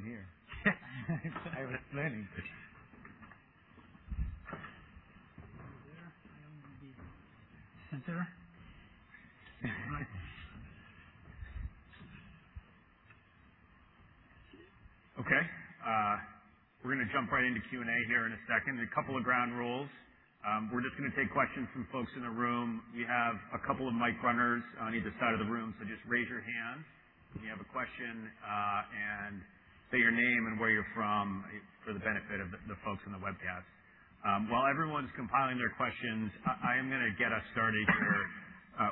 here. I was planning for this. Over there and then the center. All right. Okay. We're gonna jump right into Q&A here in a second. A couple of ground rules. We're just gonna take questions from folks in the room. We have a couple of mic runners on either side of the room, so just raise your hand if you have a question, and say your name and where you're from for the benefit of the folks on the webcast. While everyone's compiling their questions, I am gonna get us started here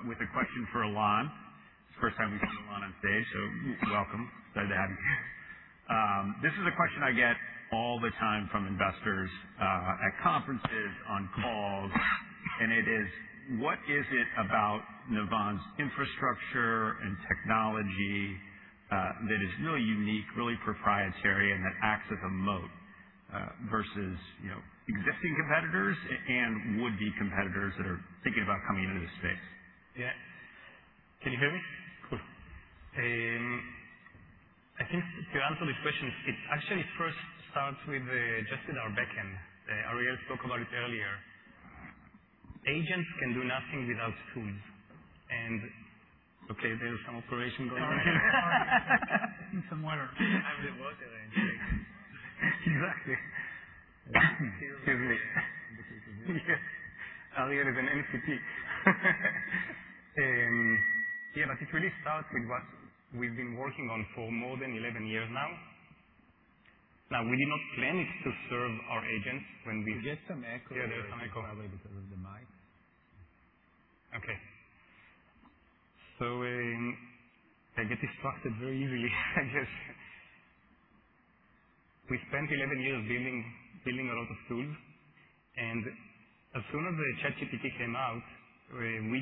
with a question for Ilan. It's the first time we've gotten Ilan on stage, welcome. Glad to have you here. This is a question I get all the time from investors, at conferences, on calls, and it is: what is it about Navan's infrastructure and technology that is really unique, really proprietary, and that acts as a moat versus, you know, existing competitors and would-be competitors that are thinking about coming into the space? Yeah. Can you hear me? Cool. I think to answer this question, it actually first starts with just in our backend. Ariel spoke about it earlier. Agents can do nothing without tools. Okay, there's some operation going on here. Need some water. I'm the water engineer. Exactly. Excuse me. This is me. Yes. Ariel is an MCP. It really starts with what we've been working on for more than 11 years now. We did not plan it to serve our agents when we We get some echo- Yeah, there's echo. probably because of the mic. Okay. I get distracted very easily. We spent 11 years building a lot of tools, as soon as the ChatGPT came out, we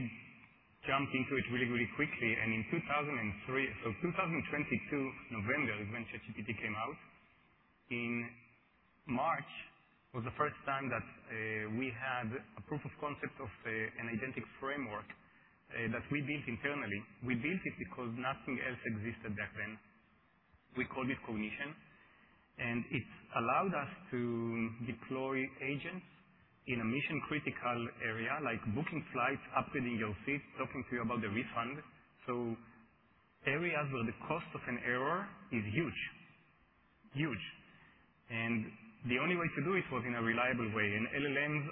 jumped into it really, really quickly. In 2022 November is when ChatGPT came out. In March was the first time that we had a proof of concept of an agentic framework that we built internally. We built it because nothing else existed back then. We called it Cognition, it allowed us to deploy agents in a mission-critical area like booking flights, upgrading your seat, talking to you about the refund. Areas where the cost of an error is huge. The only way to do it was in a reliable way. LLMs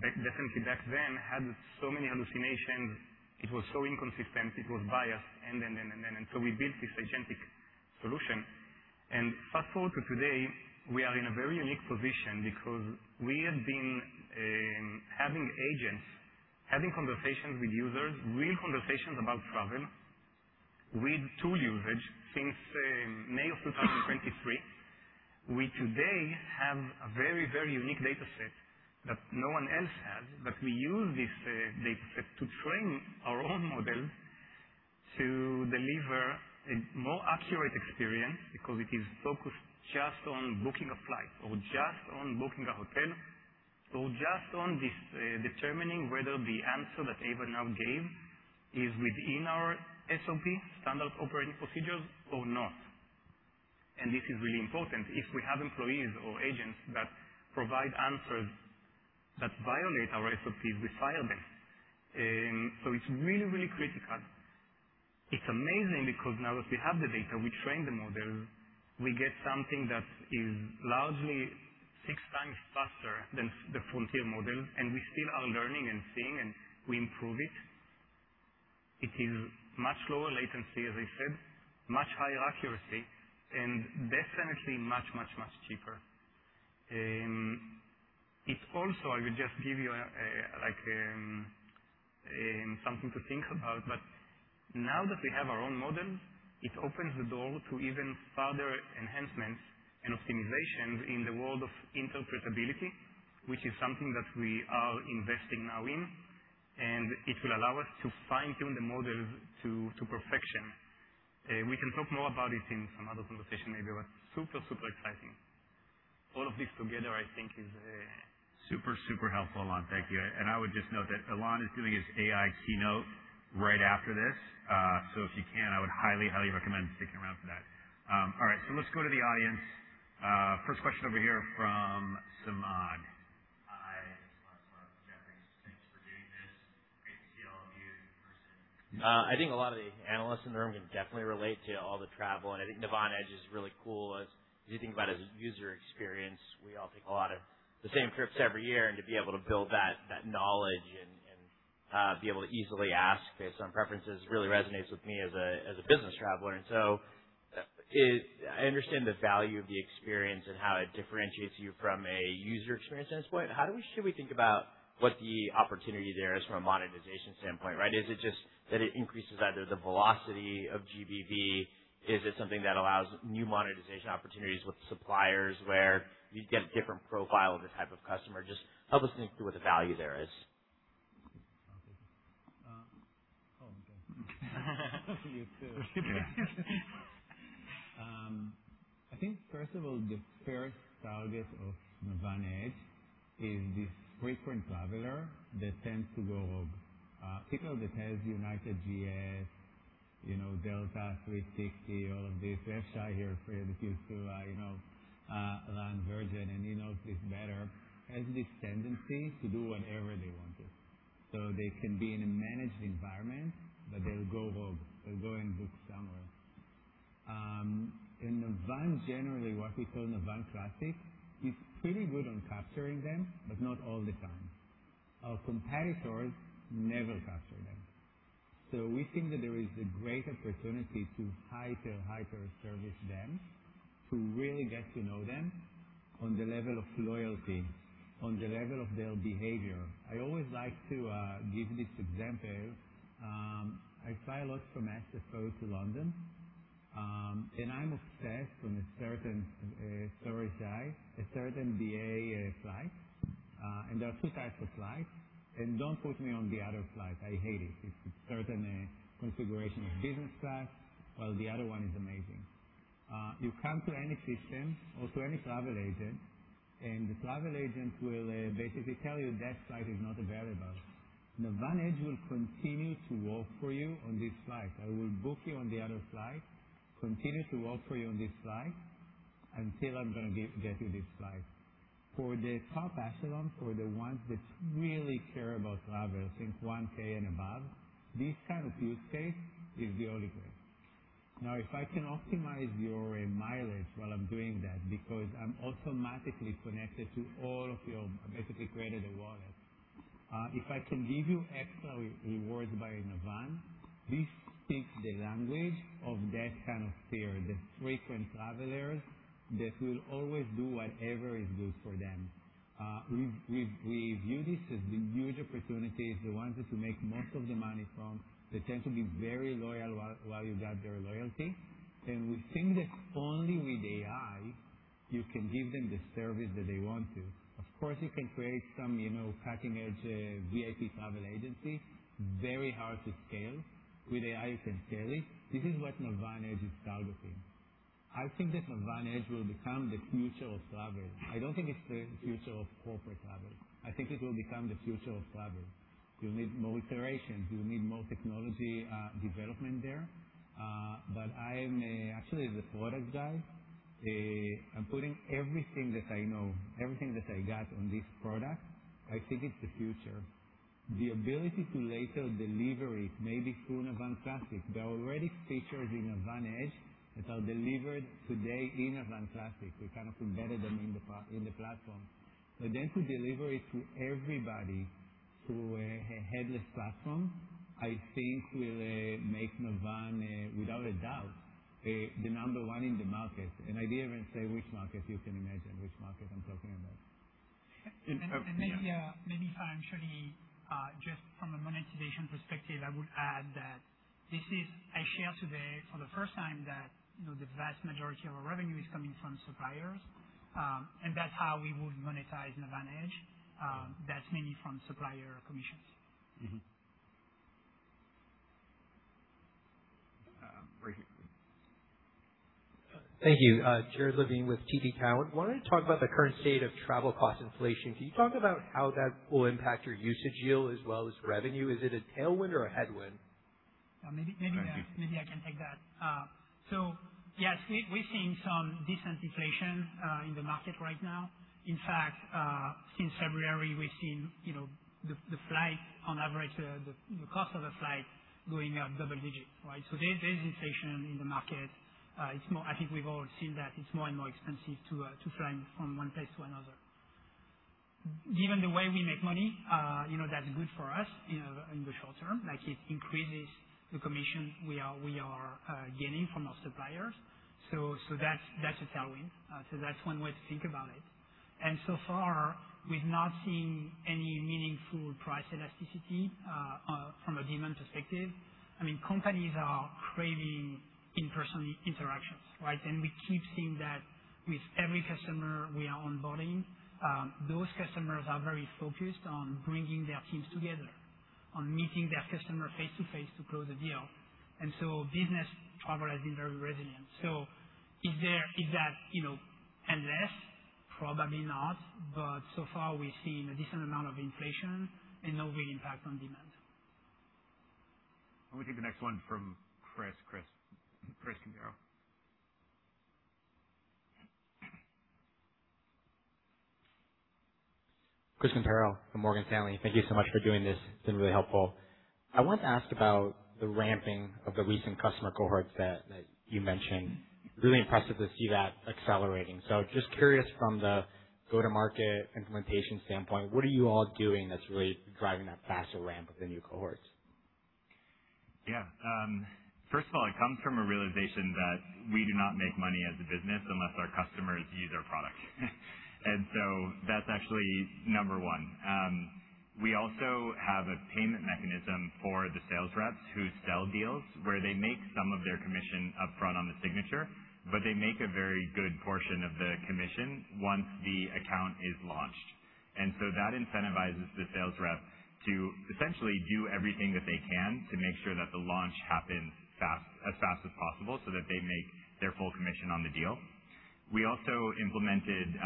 definitely back then, had so many hallucinations. It was so inconsistent, it was biased, and. We built this agentic solution. Fast-forward to today, we are in a very unique position because we have been having agents, having conversations with users, real conversations about travel with tool usage since May of 2023. We today have a very, very unique dataset that no one else has, that we use this dataset to train our own model to deliver a more accurate experience because it is focused just on booking a flight or just on booking a hotel, or just on this determining whether the answer that Ava now gave is within our SOP, standard operating procedures, or not. This is really important. If we have employees or agents that provide answers that violate our SOPs, we fire them. It is really, really critical. It's amazing because now that we have the data, we train the model, we get something that is largely 6 times faster than the frontier model, and we still are learning and seeing, and we improve it. It is much lower latency, as I said, much higher accuracy, and definitely much, much, much cheaper. It's also, I would just give you like something to think about. Now that we have our own model, it opens the door to even further enhancements and optimizations in the world of interpretability, which is something that we are investing now in, and it will allow us to fine-tune the model to perfection. We can talk more about it in some other conversation maybe. Super, super exciting. All of this together, I think is. Super helpful, Ilan. Thank you. I would just note that Ilan is doing his AI keynote right after this. If you can, I would highly recommend sticking around for that. All right, let's go to the audience. First question over here from Samad. Hi, Samad Samana from Jefferies. Thanks for doing this. Great to see all of you in person. I think a lot of the analysts in the room can definitely relate to all the travel, and I think Navan Edge is really cool. As you think about user experience, we all take a lot of the same trips every year, and to be able to build that knowledge and be able to easily ask based on preferences really resonates with me as a business traveler. I understand the value of the experience and how it differentiates you from a user experience standpoint. How should we think about what the opportunity there is from a monetization standpoint, right? Is it just that it increases either the velocity of GBV? Is it something that allows new monetization opportunities with suppliers, where you'd get a different profile of the type of customer? Just help us think through what the value there is. Okay. You too. I think first of all, the first target of Navan Edge is this frequent traveler that tends to go rogue. People that have United GS, you know, Delta 360, all of this. We have Shai here, that used to, you know, run Virgin, he knows this better, has this tendency to do whatever they want to. They can be in a managed environment, but they'll go rogue. They'll go and book somewhere. Navan generally, what we call Navan Classic, is pretty good on capturing them, but not all the time. Our competitors never capture them. We think that there is a great opportunity to hyper-service them, to really get to know them on the level of loyalty, on the level of their behavior. I always like to give this example. I fly a lot from SFO to London, I'm obsessed with a certain service type, a certain BA flight. There are two types of flights. Don't put me on the other flight. I hate it. It's a certain configuration of business class, while the other one is amazing. You come to any system or to any travel agent, the travel agent will basically tell you that flight is not available. Navan Edge will continue to work for you on this flight. I will book you on the other flight, continue to work for you on this flight until I'm gonna get you this flight. For the top echelon, for the ones that really care about travel, I think 1K and above, this kind of use case is the only way. If I can optimize your mileage while I'm doing that because I'm automatically connected to all of your i basically created a wallet. If I can give you extra rewards via Navan, this speaks the language of that kind of tier, the frequent travelers that will always do whatever is good for them. We view this as the huge opportunity, the ones that you make most of the money from. They tend to be very loyal while you got their loyalty. We think that only with AI you can give them the service that they want to. Of course, you can create some, you know, cutting-edge VIP travel agency, very hard to scale. With AI, you can scale it. This is what Navan Edge is targeting. I think that Navan Edge will become the future of travel. I don't think it's the future of corporate travel. I think it will become the future of travel. You'll need more iterations. You'll need more technology development there. I am actually the product guy. I'm putting everything that I know, everything that I got on this product. I think it's the future. The ability to later deliver it, maybe through Navan Classic. There are already features in Navan Edge that are delivered today in Navan Classic. We kind of embedded them in the platform. To deliver it to everybody through a headless platform, I think will make Navan without a doubt the number one in the market. I didn't even say which market. You can imagine which market I'm talking about. And, and- Maybe financially, just from a monetization perspective, I would add that I share today for the first time that, you know, the vast majority of our revenue is coming from suppliers, and that's how we would monetize Navan Edge. That's mainly from supplier commissions. Mm-hmm. Right here. Thank you. Jared Levine with TD Cowen. I wanted to talk about the current state of travel cost inflation. Can you talk about how that will impact your usage yield as well as revenue? Is it a tailwind or a headwind? Yeah, maybe. Thank you. Maybe I can take that. Yes, we've seen some disinflation in the market right now. In fact, since February, we've seen, you know, the flight on average, the cost of the flight going up double-digit, right? There's inflation in the market. I think we've all seen that it's more and more expensive to fly from one place to another. Given the way we make money, you know, that's good for us, you know, in the short term. Like, it increases the commission we are gaining from our suppliers. That's a tailwind. That's one way to think about it. So far, we've not seen any meaningful price elasticity from a demand perspective. I mean, companies are craving in-person interactions, right? We keep seeing that with every customer we are onboarding. Those customers are very focused on bringing their teams together, on meeting their customer face-to-face to close a deal. Business travel has been very resilient. Is that, you know, endless? Probably not. So far we've seen a decent amount of inflation and no real impact on demand. Let me take the next one from Chris Quintero. Chris Quintero from Morgan Stanley. Thank you so much for doing this. It's been really helpful. I wanted to ask about the ramping of the recent customer cohorts that you mentioned. Really impressive to see that accelerating. Just curious from the go-to-market implementation standpoint, what are you all doing that's really driving that faster ramp of the new cohorts? Yeah. First of all, it comes from a realization that we do not make money as a business unless our customers use our product. That's actually number 1. We also have a payment mechanism for the sales reps who sell deals where they make some of their commission upfront on the signature, but they make a very good portion of the commission once the account is launched. That incentivizes the sales rep to essentially do everything that they can to make sure that the launch happens fast, as fast as possible so that they make their full commission on the deal. We also implemented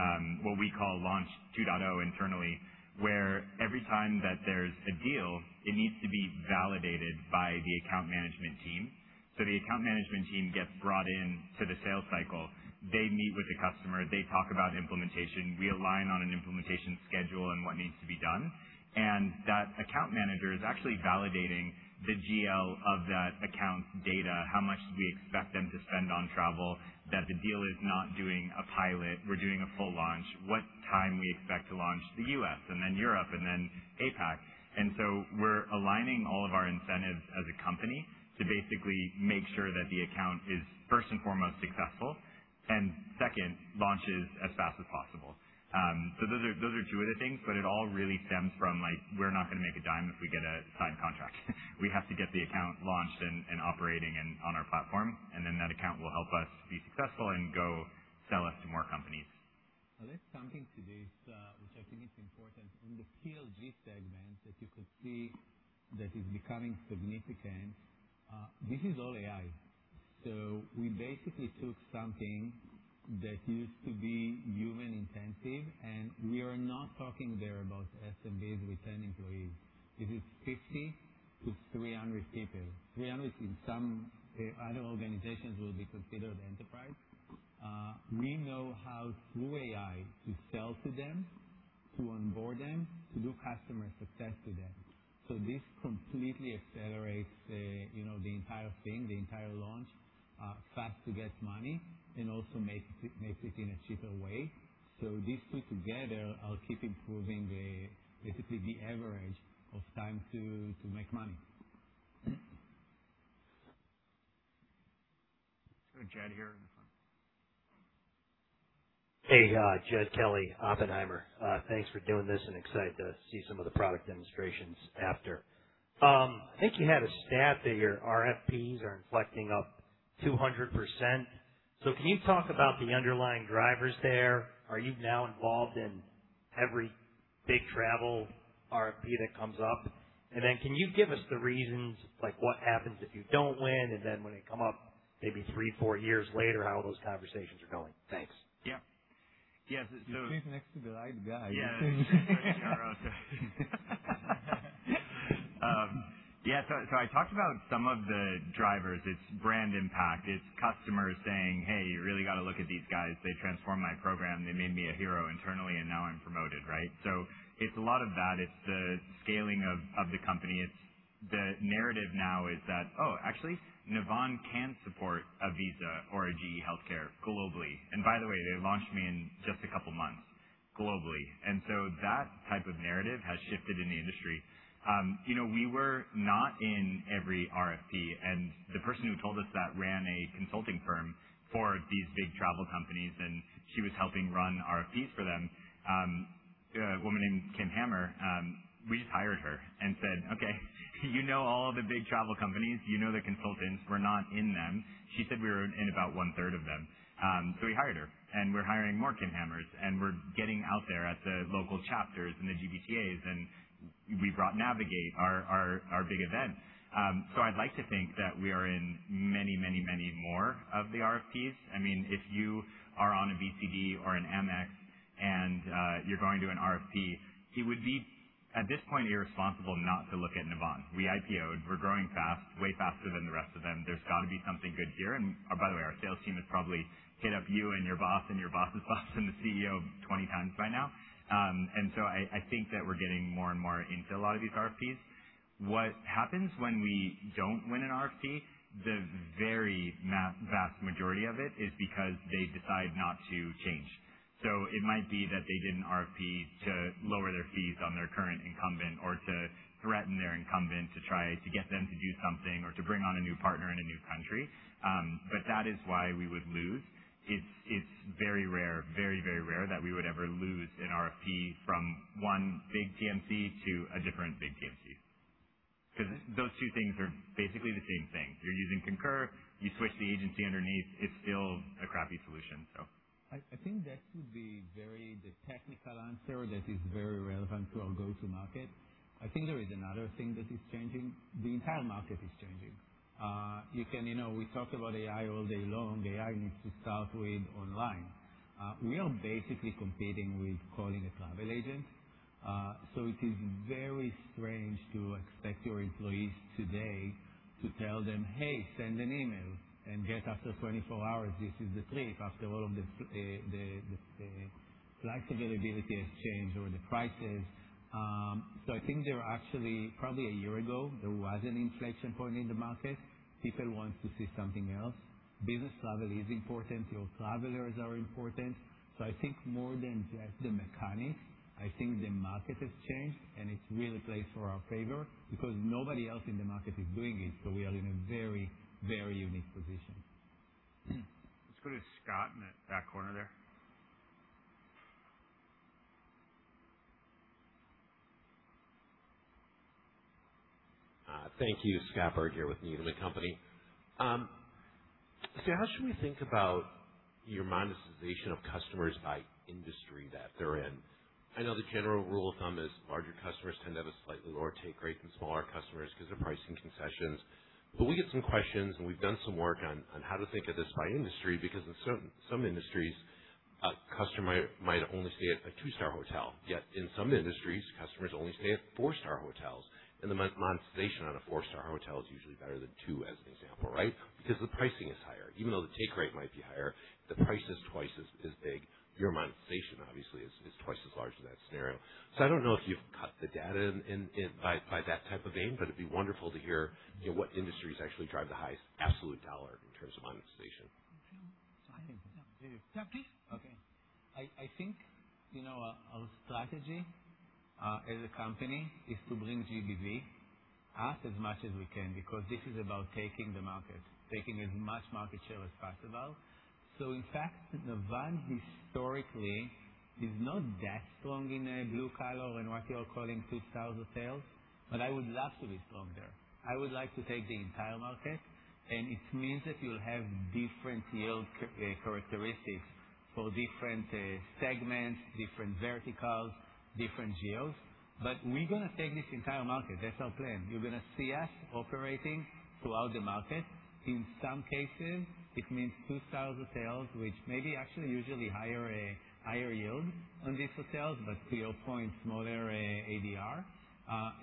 what we call Launch 2.0 internally, where every time that there's a deal, it needs to be validated by the account management team. The account management team gets brought in to the sales cycle. They meet with the customer, they talk about implementation. We align on an implementation schedule and what needs to be done. That Account Manager is actually validating the GL of that account's data, how much do we expect them to spend on travel, that the deal is not doing a pilot, we're doing a full launch, what time we expect to launch the U.S. and then Europe and then APAC. We're aligning all of our incentives as a company to basically make sure that the account is, first and foremost, successful, and second, launches as fast as possible. Those are two of the things, but it all really stems from, like, we're not gonna make a dime if we get a signed contract. We have to get the account launched and operating and on our platform, and then that account will help us be successful and go sell us to more companies. I'll add something to this, which I think is important. In the PLG segment that you could see that is becoming significant, this is all AI. We basically took something that used to be human-intensive, and we are not talking there about SMBs with 10 employees. This is 50 to 300 people. 300 in some other organizations will be considered enterprise. We know how, through AI, to sell to them, to onboard them, to do customer success to them. This completely accelerates, you know, the entire thing, the entire launch, fast to get money and also makes it in a cheaper way. These two together are keeping improving the, basically the average of time to make money. Let's go to Jed here in the front. Hey, Jed Kelly, Oppenheimer & Co. Thanks for doing this and excited to see some of the product demonstrations after. I think you had a stat that your RFPs are inflecting up 200%. Can you talk about the underlying drivers there? Are you now involved in every big travel RFP that comes up? Can you give us the reasons, like what happens if you don't win, and when they come up maybe three, four years later, how those conversations are going? Thanks. Yeah. He's next to the right guy. Yeah. I talked about some of the drivers. It's brand impact. It's customers saying, "Hey, you really got to look at these guys. They transformed my program. They made me a hero internally, and now I'm promoted," right? It's a lot of that. It's the scaling of the company. It's the narrative now is that, "Oh, actually, Navan can support a Visa or a GE HealthCare globally. By the way, they launched me in just a couple months globally." That type of narrative has shifted in the industry. You know, we were not in every RFP, and the person who told us that ran a consulting firm for these big travel companies, and she was helping run RFPs for them. A woman named Kim Hammer, we just hired her and said, "Okay, you know all of the big travel companies. You know their consultants. We're not in them." She said we were in about one-third of them. We hired her, and we're hiring more Kim Hammers, and we're getting out there at the local chapters and the GBTAs, and we brought Navigate, our big event. I'd like to think that we are in many more of the RFPs. I mean, if you are on a BCD or an Amex and you're going to an RFP, it would be, at this point, irresponsible not to look at Navan. We IPO'd. We're growing fast, way faster than the rest of them. There's gotta be something good here. By the way, our sales team has probably hit up you and your boss and your boss's boss and the CEO 20 times by now. I think that we're getting more and more into a lot of these RFPs. What happens when we don't win an RFP, the very vast majority of it is because they decide not to change. It might be that they did an RFP to lower their fees on their current incumbent or to threaten their incumbent to try to get them to do something or to bring on a new partner in a new country. That is why we would lose. It's very rare, very, very rare that we would ever lose an RFP from one big TMC to a different big TMC. 'Cause those two things are basically the same thing. You're using Concur, you switch the agency underneath, it's still a crappy solution. I think that could be the technical answer that is very relevant to our go-to market. I think there is another thing that is changing. The entire market is changing. You know, we talked about AI all day long. AI needs to start with online. We are basically competing with calling a travel agent. It is very strange to expect your employees today to tell them, "Hey, send an email," and get after 24 hours this is the trip after all of the flight availability has changed or the prices. I think there are actually probably a year ago, there was an inflection point in the market. People want to see something else. Business travel is important. Your travelers are important. I think more than just the mechanics, I think the market has changed, and it's really played for our favor because nobody else in the market is doing it, so we are in a very, very unique position. Let's go to Scott in the back corner there. Thank you. Scott Berg here with Needham & Company. How should we think about your monetization of customers by industry that they're in? I know the general rule of thumb is larger customers tend to have a slightly lower take rate than smaller customers because of pricing concessions. We get some questions, and we've done some work on how to think of this by industry, because in some industries, a customer might only stay at a 2-star hotel. Yet in some industries, customers only stay at 4-star hotels. The monetization on a 4-star hotel is usually better than two, as an example, right? Because the pricing is higher. Even though the take rate might be higher, the price is twice as big. Your monetization obviously is twice as large in that scenario. I don't know if you've cut the data in by that type of vein, but it'd be wonderful to hear, you know, what industries actually drive the highest absolute a dollar in terms of monetization? I think, you know, our strategy as a company is to bring GBV up as much as we can because this is about taking the market, taking as much market share as possible. In fact, Navan historically is not that strong in a blue collar and what you are calling 2-star hotels, but I would love to be strong there. I would like to take the entire market, It means that you'll have different yield characteristics for different segments, different verticals, different geos. We're gonna take this entire market. That's our plan. You're gonna see us operating throughout the market. In some cases, it means 2-star hotels, which may be actually usually higher yield on these hotels, but to your point, smaller ADR.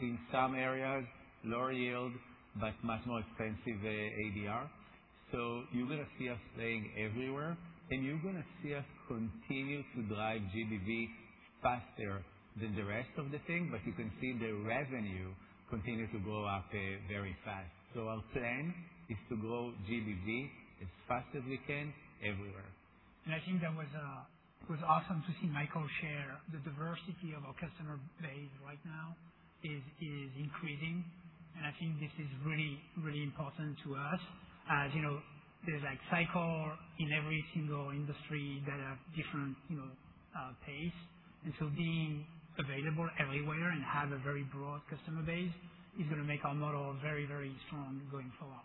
In some areas, lower yield, but much more expensive ADR. You're gonna see us playing everywhere, and you're gonna see us continue to drive GBV faster than the rest of the thing, but you can see the revenue continue to grow up very fast. Our plan is to grow GBV as fast as we can everywhere. I think that was awesome to see Michael share the diversity of our customer base right now is increasing. I think this is really, really important to us. As you know, there's a cycle in every single industry that have different, you know, pace. Being available everywhere and have a very broad customer base is gonna make our model very, very strong going forward.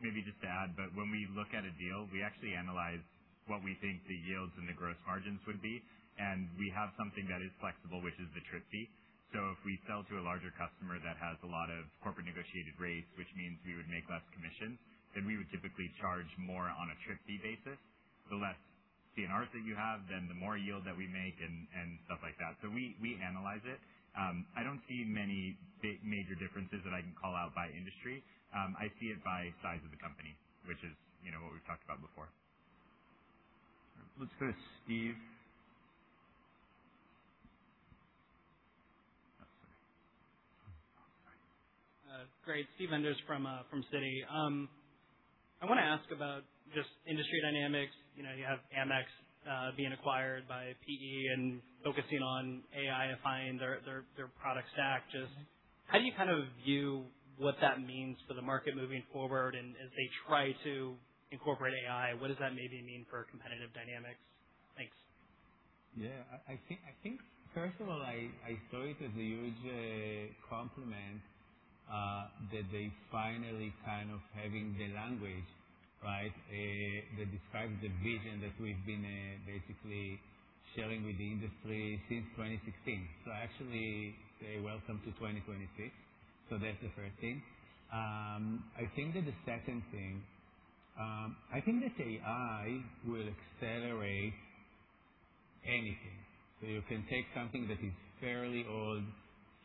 Maybe just to add, when we look at a deal, we actually analyze what we think the yields and the gross margins would be, and we have something that is flexible, which is the trip fee. If we sell to a larger customer that has a lot of corporate negotiated rates, which means we would make less commissions, then we would typically charge more on a trip fee basis. The less CNR that you have, then the more yield that we make and stuff like that. We analyze it. I don't see many major differences that I can call out by industry. I see it by size of the company, which is, you know, what we've talked about before. Let's go to Steve. Oh, sorry. Great. Steven Enders from Citi. I wanna ask about just industry dynamics. You know, you have Amex being acquired by PE and focusing on AI-ifying their product stack. Just how do you kind of view what that means for the market moving forward and as they try to incorporate AI? What does that maybe mean for competitive dynamics? Thanks. Yeah. I think first of all, I saw it as a huge compliment that they finally kind of having the language, right? That describes the vision that we've been basically sharing with the industry since 2016. I actually say welcome to 2026. That's the first thing. I think that the second thing, I think this AI will accelerate anything. You can take something that is fairly old,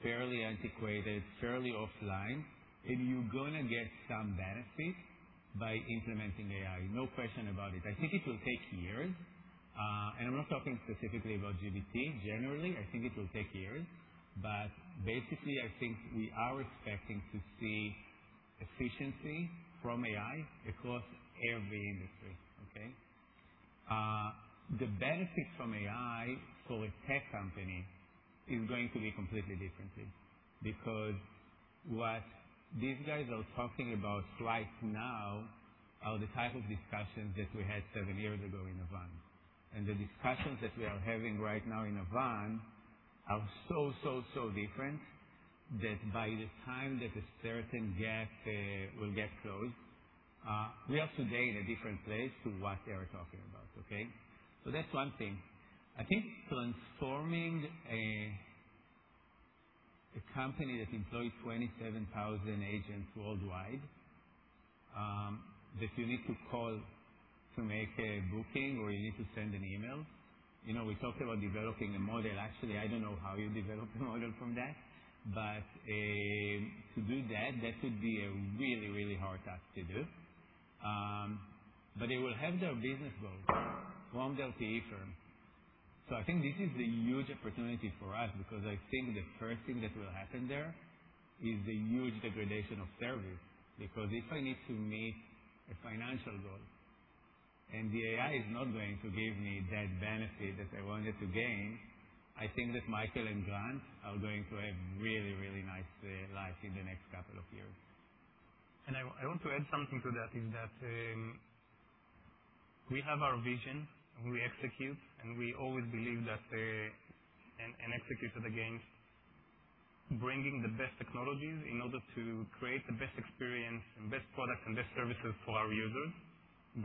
fairly antiquated, fairly offline, and you're gonna get some benefits by implementing AI. No question about it. I think it will take years, and I'm not talking specifically about GBT. Generally, I think it will take years. Basically, I think we are expecting to see efficiency from AI across every industry. Okay. The benefits from AI for a tech company is going to be completely different because what these guys are talking about right now are the type of discussions that we had seven years ago in Navan. The discussions that we are having right now in Navan are so different that by the time that a certain gap will get closed, we are today in a different place to what they are talking about. Okay? That's one thing. I think transforming a company that employs 27,000 agents worldwide, that you need to call to make a booking, or you need to send an email. You know, we talked about developing a model. Actually, I don't know how you develop a model from that, but to do that would be a really hard task to do. They will have their business goals from their TA firm. I think this is a huge opportunity for us because I think the first thing that will happen there is a huge degradation of service. If I need to meet a financial goal and the AI is not going to give me that benefit that I wanted to gain, I think that Michael and Grant are going to have really, really nice lives in the next couple of years. I want to add something to that, is that we have our vision, and we execute, and we always believe that, and execute it again, bringing the best technologies in order to create the best experience and best product and best services for our users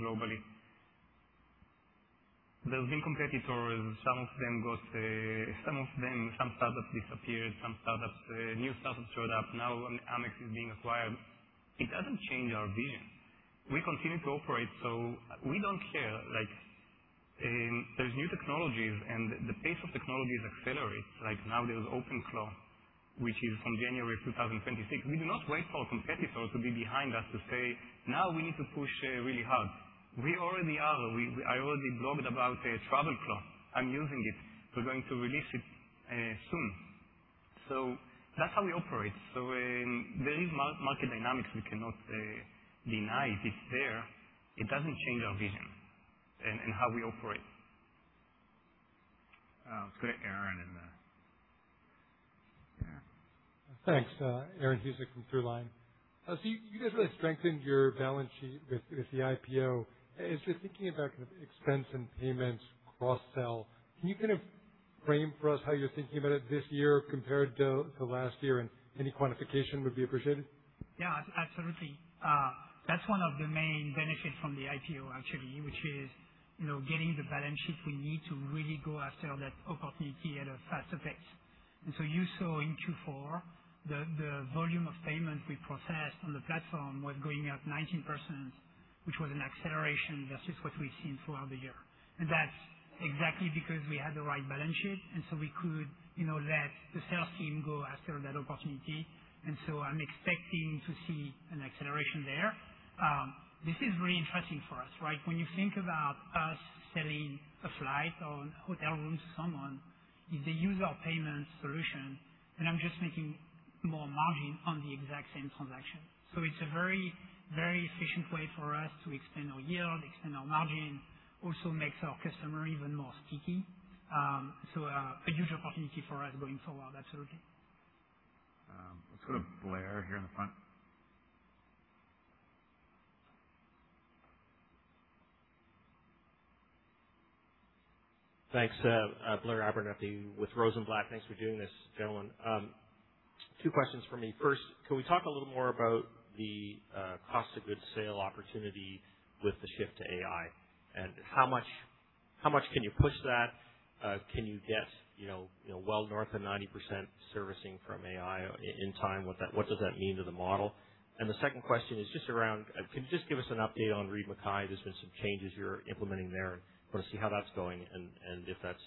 globally. There's been competitors. Some of them got some startups disappeared, some startups new startups showed up. Amex is being acquired. It doesn't change our vision. We continue to operate, we don't care. Like, there's new technologies, the pace of technology is accelerating. Like, now there's OpenClaw, which is from January 2026. We do not wait for competitors to be behind us to say, "Now we need to push really hard." We already are. I already blogged about TravelClaw. I'm using it. We're going to release it soon. That's how we operate. There is market dynamics we cannot deny. It's there. It doesn't change our vision and how we operate. Let's go to Aaron in the back. Thanks. Aaron Huzyk from Truist. You guys really strengthened your balance sheet with the IPO. Is it thinking about kind of expense and payments cross-sell? Can you kind of frame for us how you're thinking about it this year compared to last year, any quantification would be appreciated. Yeah, absolutely. That's one of the main benefits from the IPO actually, which is, you know, getting the balance sheet we need to really go after that opportunity at a fast pace. You saw in Q4 the volume of payments we processed on the platform was going up 19%, which was an acceleration versus what we've seen throughout the year. That's exactly because we had the right balance sheet, and so we could, you know, let the sales team go after that opportunity. I'm expecting to see an acceleration there. This is really interesting for us, right? When you think about us selling a flight or hotel room to someone, if they use our payment solution, then I'm just making more margin on the exact same transaction. It's a very, very efficient way for us to extend our yield, extend our margin, also makes our customer even more sticky. It's a huge opportunity for us going forward, absolutely. Let's go to Blair here in the front. Thanks. Blair Abernethy with Rosenblatt. Thanks for doing this, gentlemen. Two questions for me. First, can we talk a little more about the cost of goods sale opportunity with the shift to AI and how much can you push that? Can you get, you know, well north of 90% servicing from AI in time? What does that mean to the model? The second question is just around, can you just give us an update on Reed & Mackay? There's been some changes you're implementing there and wanna see how that's going and if that's,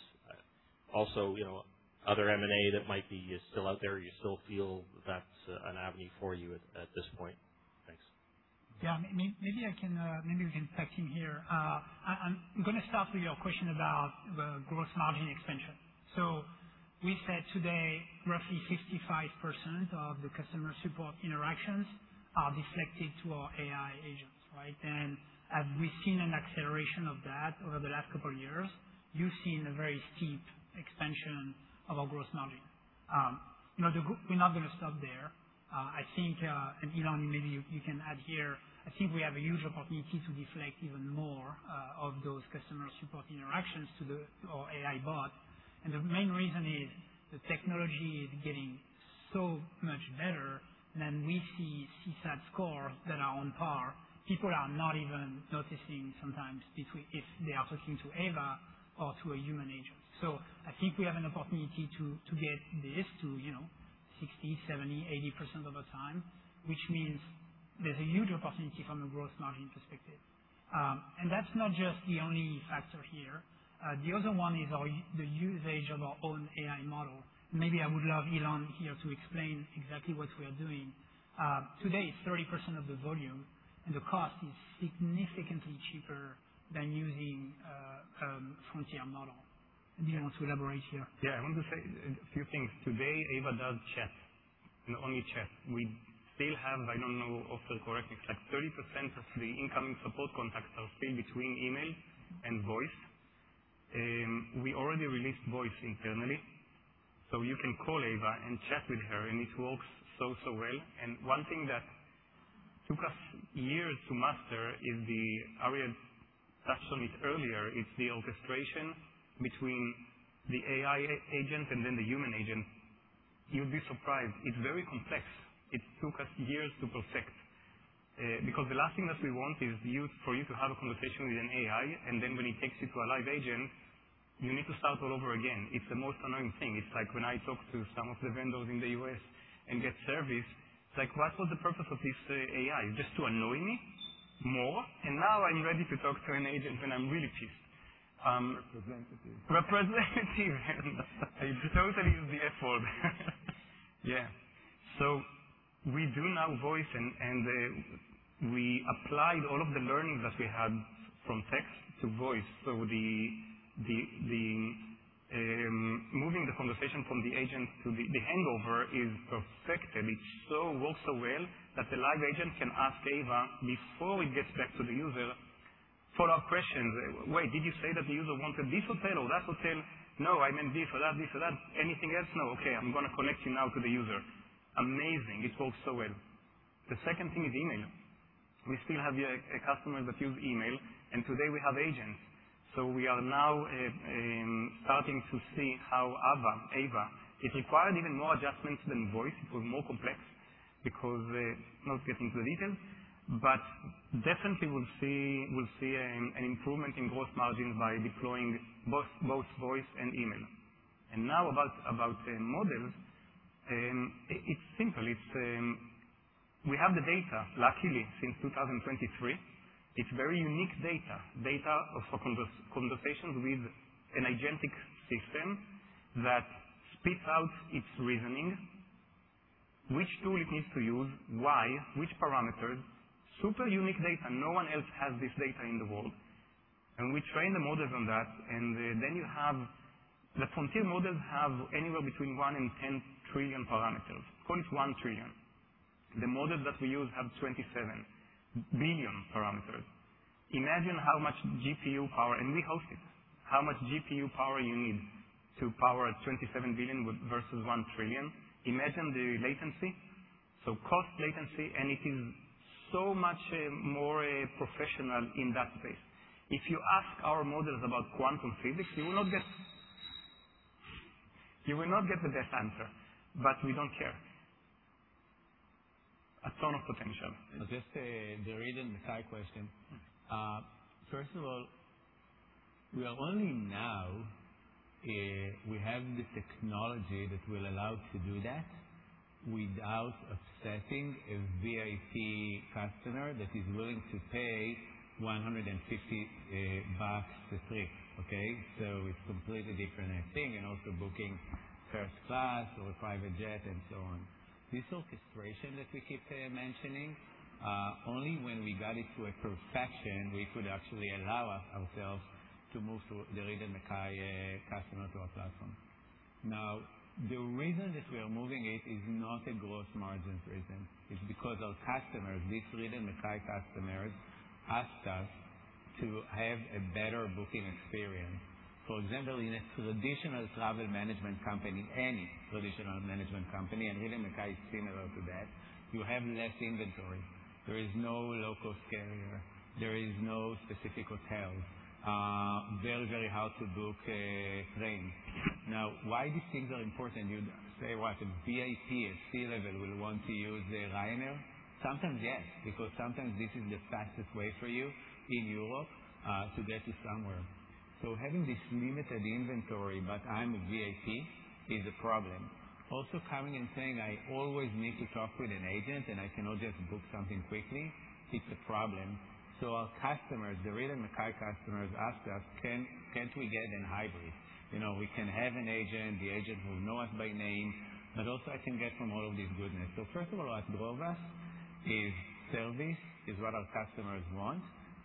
you know, other M&A that might be still out there. You still feel that's an avenue for you at this point. Thanks. Yeah. Maybe I can, maybe we can tag team here. I'm gonna start with your question about the gross margin expansion. We said today roughly 65% of the customer support interactions are deflected to our AI agents, right? As we've seen an acceleration of that over the last couple of years, you've seen a very steep expansion of our gross margin. You know, we're not gonna stop there. I think, and Ilan, maybe you can add here. I think we have a huge opportunity to deflect even more of those customer support interactions to our AI bot. The main reason is the technology is getting so much better, and we see CSAT scores that are on par. People are not even noticing sometimes between if they are talking to Ava or to a human agent. I think we have an opportunity to get this to, you know, 60%, 70%, 80% of the time, which means there's a huge opportunity from a gross margin perspective. That's not just the only factor here. The other one is the usage of our own AI model. Maybe I would love Ilan here to explain exactly what we are doing. Today, 30% of the volume and the cost is significantly cheaper than using a frontier model. Do you want to elaborate here? Yeah. I want to say a few things. Today, Ava does chat and only chat. We still have, I don't know, Ofer, correct me, it's like 30% of the incoming support contacts are still between email and voice. We already released voice internally, so you can call Ava and chat with her, and it works so well. And one thing that took us years to master, Ariel touched on it earlier. It's the orchestration between the AI agent and then the human agent. You'd be surprised. It's very complex. It took us years to perfect, because the last thing that we want is for you to have a conversation with an AI, and then when it takes you to a live agent, you need to start all over again. It's the most annoying thing. It's like when I talk to some of the vendors in the U.S. and get service, it's like, what was the purpose of this AI? Just to annoy me more? Now I'm ready to talk to an agent, and I'm really pissed. Representative. I totally use the F-word. Yeah. We do now voice and we applied all of the learnings that we had from text to voice. The moving the conversation from the agent to the handover is perfected. It so works so well that the live agent can ask Ava before it gets back to the user follow-up questions. "Wait, did you say that the user wanted this hotel or that hotel?" "No, I meant this or that." "Anything else?" "No." "Okay, I'm gonna connect you now to the user." Amazing. It works so well. The second thing is email. We still have a customer that use email, and today we have agents. We are now starting to see how Ava It required even more adjustments than voice. It was more complex because, not get into the details, but definitely we'll see an improvement in gross margin by deploying both voice and email. Now about the models, it's simple. It's, we have the data, luckily, since 2023. It's very unique data. Data of conversations with an agentic system that spits out its reasoning, which tool it needs to use, why, which parameters. Super unique data. No one else has this data in the world. We train the models on that, and then you have. The frontier models have anywhere between 1 and 10 trillion parameters. 0.1 trillion. The models that we use have 27 billion parameters. Imagine how much GPU power, and we host it. How much GPU power you need to power a 27 billion with versus 1 trillion. Imagine the latency. Cost latency, it is so much more professional in that space. If you ask our models about quantum physics, you will not get the best answer, but we don't care. A ton of potential. The Reed & Mackay question. First of all, we are only now, we have the technology that will allow to do that without upsetting a VIP customer that is willing to pay $150 to click. It's completely different thing, and also booking first class or a private jet and so on. This orchestration that we keep mentioning, only when we got it to a perfection we could actually allow ourselves to move to the Reed & Mackay customer to our platform. The reason that we are moving it is not a gross margin reason. It's because our customers, these Reed & Mackay customers, asked us to have a better booking experience. For example, in a traditional travel management company, any traditional management company, and Reed & Mackay is similar to that, you have less inventory. There is no local carrier. There is no specific hotel. Very, very hard to book a train. Why these things are important? You'd say, "What? A VIP at C-level will want to use a Ryanair?" Sometimes, yes, because sometimes this is the fastest way for you in Europe to get to somewhere. Having this limited inventory, but I'm a VIP, is a problem. Also, coming and saying, "I always need to talk with an agent, and I cannot just book something quickly," it's a problem. Our customers, the Reed & Mackay customers, asked us, "Can't we get a hybrid?" You know, we can have an agent. The agent will know us by name. Also, I can get from all of this goodness. First of all, what drove us is service, is what our customers want.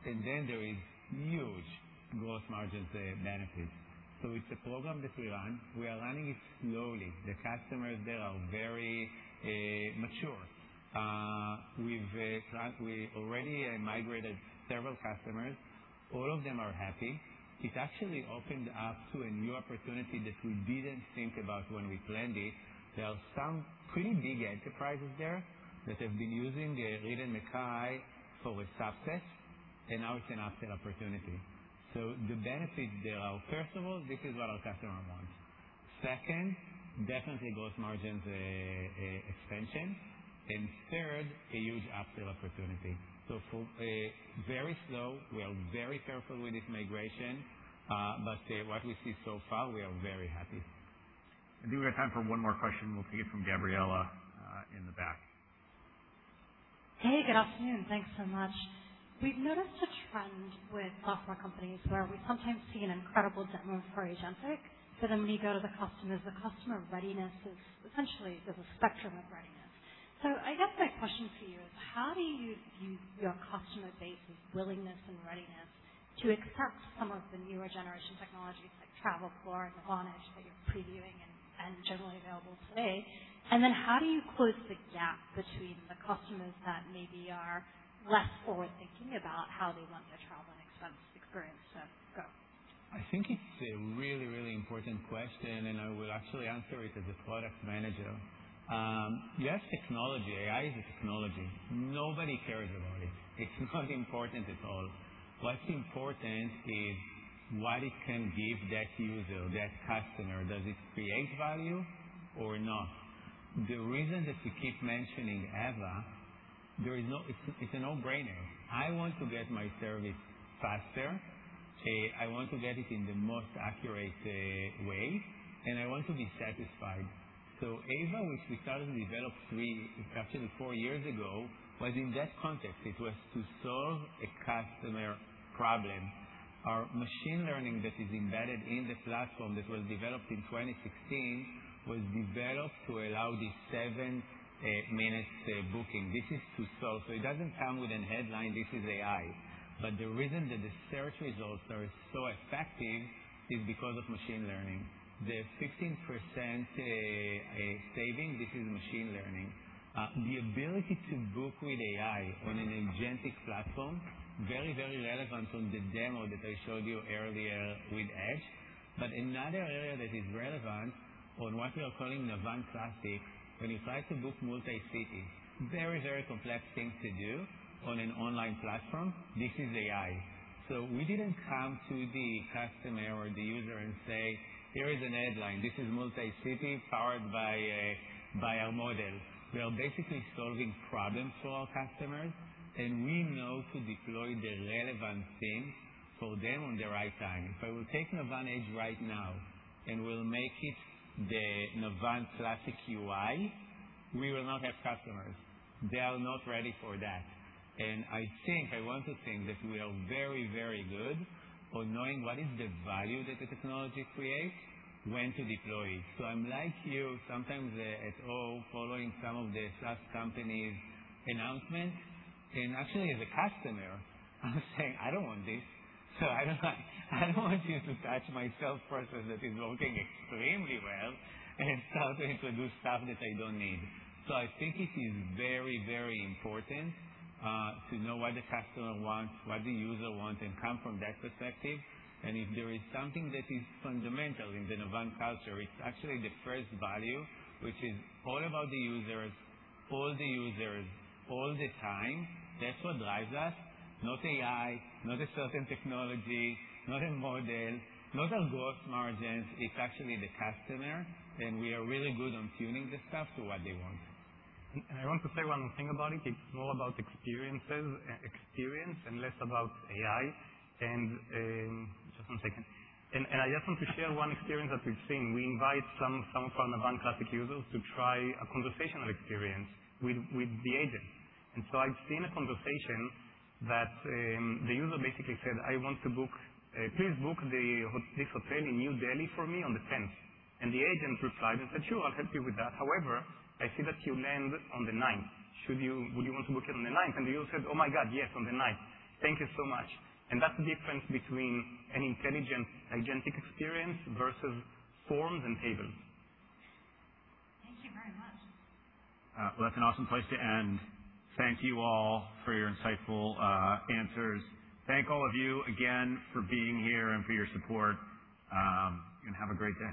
Then there is huge gross margins benefit. It's a program that we run. We are running it slowly. The customers there are very mature. We've already migrated several customers. All of them are happy. It actually opened us to a new opportunity that we didn't think about when we planned it. There are some pretty big enterprises there that have been using Reed & Mackay for a success. Now it's an upsell opportunity. The benefits there are, first of all, this is what our customer wants. Second, definitely gross margins expansion. Third, a huge upsell opportunity. For, very slow, we are very careful with this migration, but, what we see so far, we are very happy. I think we have time for one more question. We'll take it from Gabriela in the back. Hey, good afternoon. Thanks so much. We've noticed a trend with software companies where we sometimes see an incredible demo for agentic, but then when you go to the customers, the customer readiness is essentially, there's a spectrum of readiness. I guess my question to you is: How do you view your customer base's willingness and readiness to accept some of the newer generation technologies like travel flow and Navan Edge that you're previewing and generally available today? How do you close the gap between the customers that maybe are less forward-thinking about how they want their travel and expense experience to go? I think it's a really, really important question, and I will actually answer it as a Product Manager. Yes, technology, AI is a technology. Nobody cares about it. It's not important at all. What's important is what it can give that user, that customer. Does it create value or not? The reason that we keep mentioning Ava, it's a no-brainer. I want to get my service faster. I want to get it in the most accurate way, and I want to be satisfied. Ava, which we started to develop three, actually four years ago, was in that context. It was to solve a customer problem. Our machine learning that is embedded in the platform that was developed in 2016 was developed to allow the seven minutes booking. This is to solve. It doesn't come with an headline. This is AI. The reason that the search results are so effective is because of machine learning. The 15% saving, this is machine learning. The ability to Book with AI on an agentic platform, very, very relevant on the demo that I showed you earlier with Edge. Another area that is relevant on what we are calling Navan Classic, when you try to book multi-city, very, very complex things to do on an online platform. This is AI. We didn't come to the customer or the user and say, "Here is an headline. This is multi-city powered by our model." We are basically solving problems for our customers, and we know to deploy the relevant things for them on the right time. If I will take Navan Edge right now, we'll make it the Navan Classic UI, we will not have customers. They are not ready for that. I think, I want to think that we are very, very good on knowing what is the value that the technology creates, when to deploy it. I'm like you sometimes, at all following some of the SaaS company's announcements. Actually, as a customer, I'm saying, "I don't want this." I don't want you to touch my self process that is working extremely well and start to introduce stuff that I don't need. I think it is very, very important to know what the customer wants, what the user wants, and come from that perspective. If there is something that is fundamental in the Navan culture, it's actually the first value, which is all about the users, all the users, all the time. That's what drives us. Not AI, not a certain technology, not a model, not our growth margins. It's actually the customer, and we are really good on tuning this stuff to what they want. I want to say one more thing about it. It's more about experiences and less about AI. Just one second. I just want to share one experience that we've seen. We invite some of our Navan Classic users to try a conversational experience with the agent. I've seen a conversation that the user basically said, "I want to book please book this hotel in New Delhi for me on the tenth." The agent replied and said, "Sure, I'll help you with that. However, I see that you land on the ninth. Would you want to book it on the ninth?" The user said, "Oh my God, yes, on the ninth. Thank you so much." That's the difference between an intelligent agentic experience versus forms and tables. Thank you very much. Well, that's an awesome place to end. Thank you all for your insightful answers. Thank all of you again for being here and for your support. Have a great day.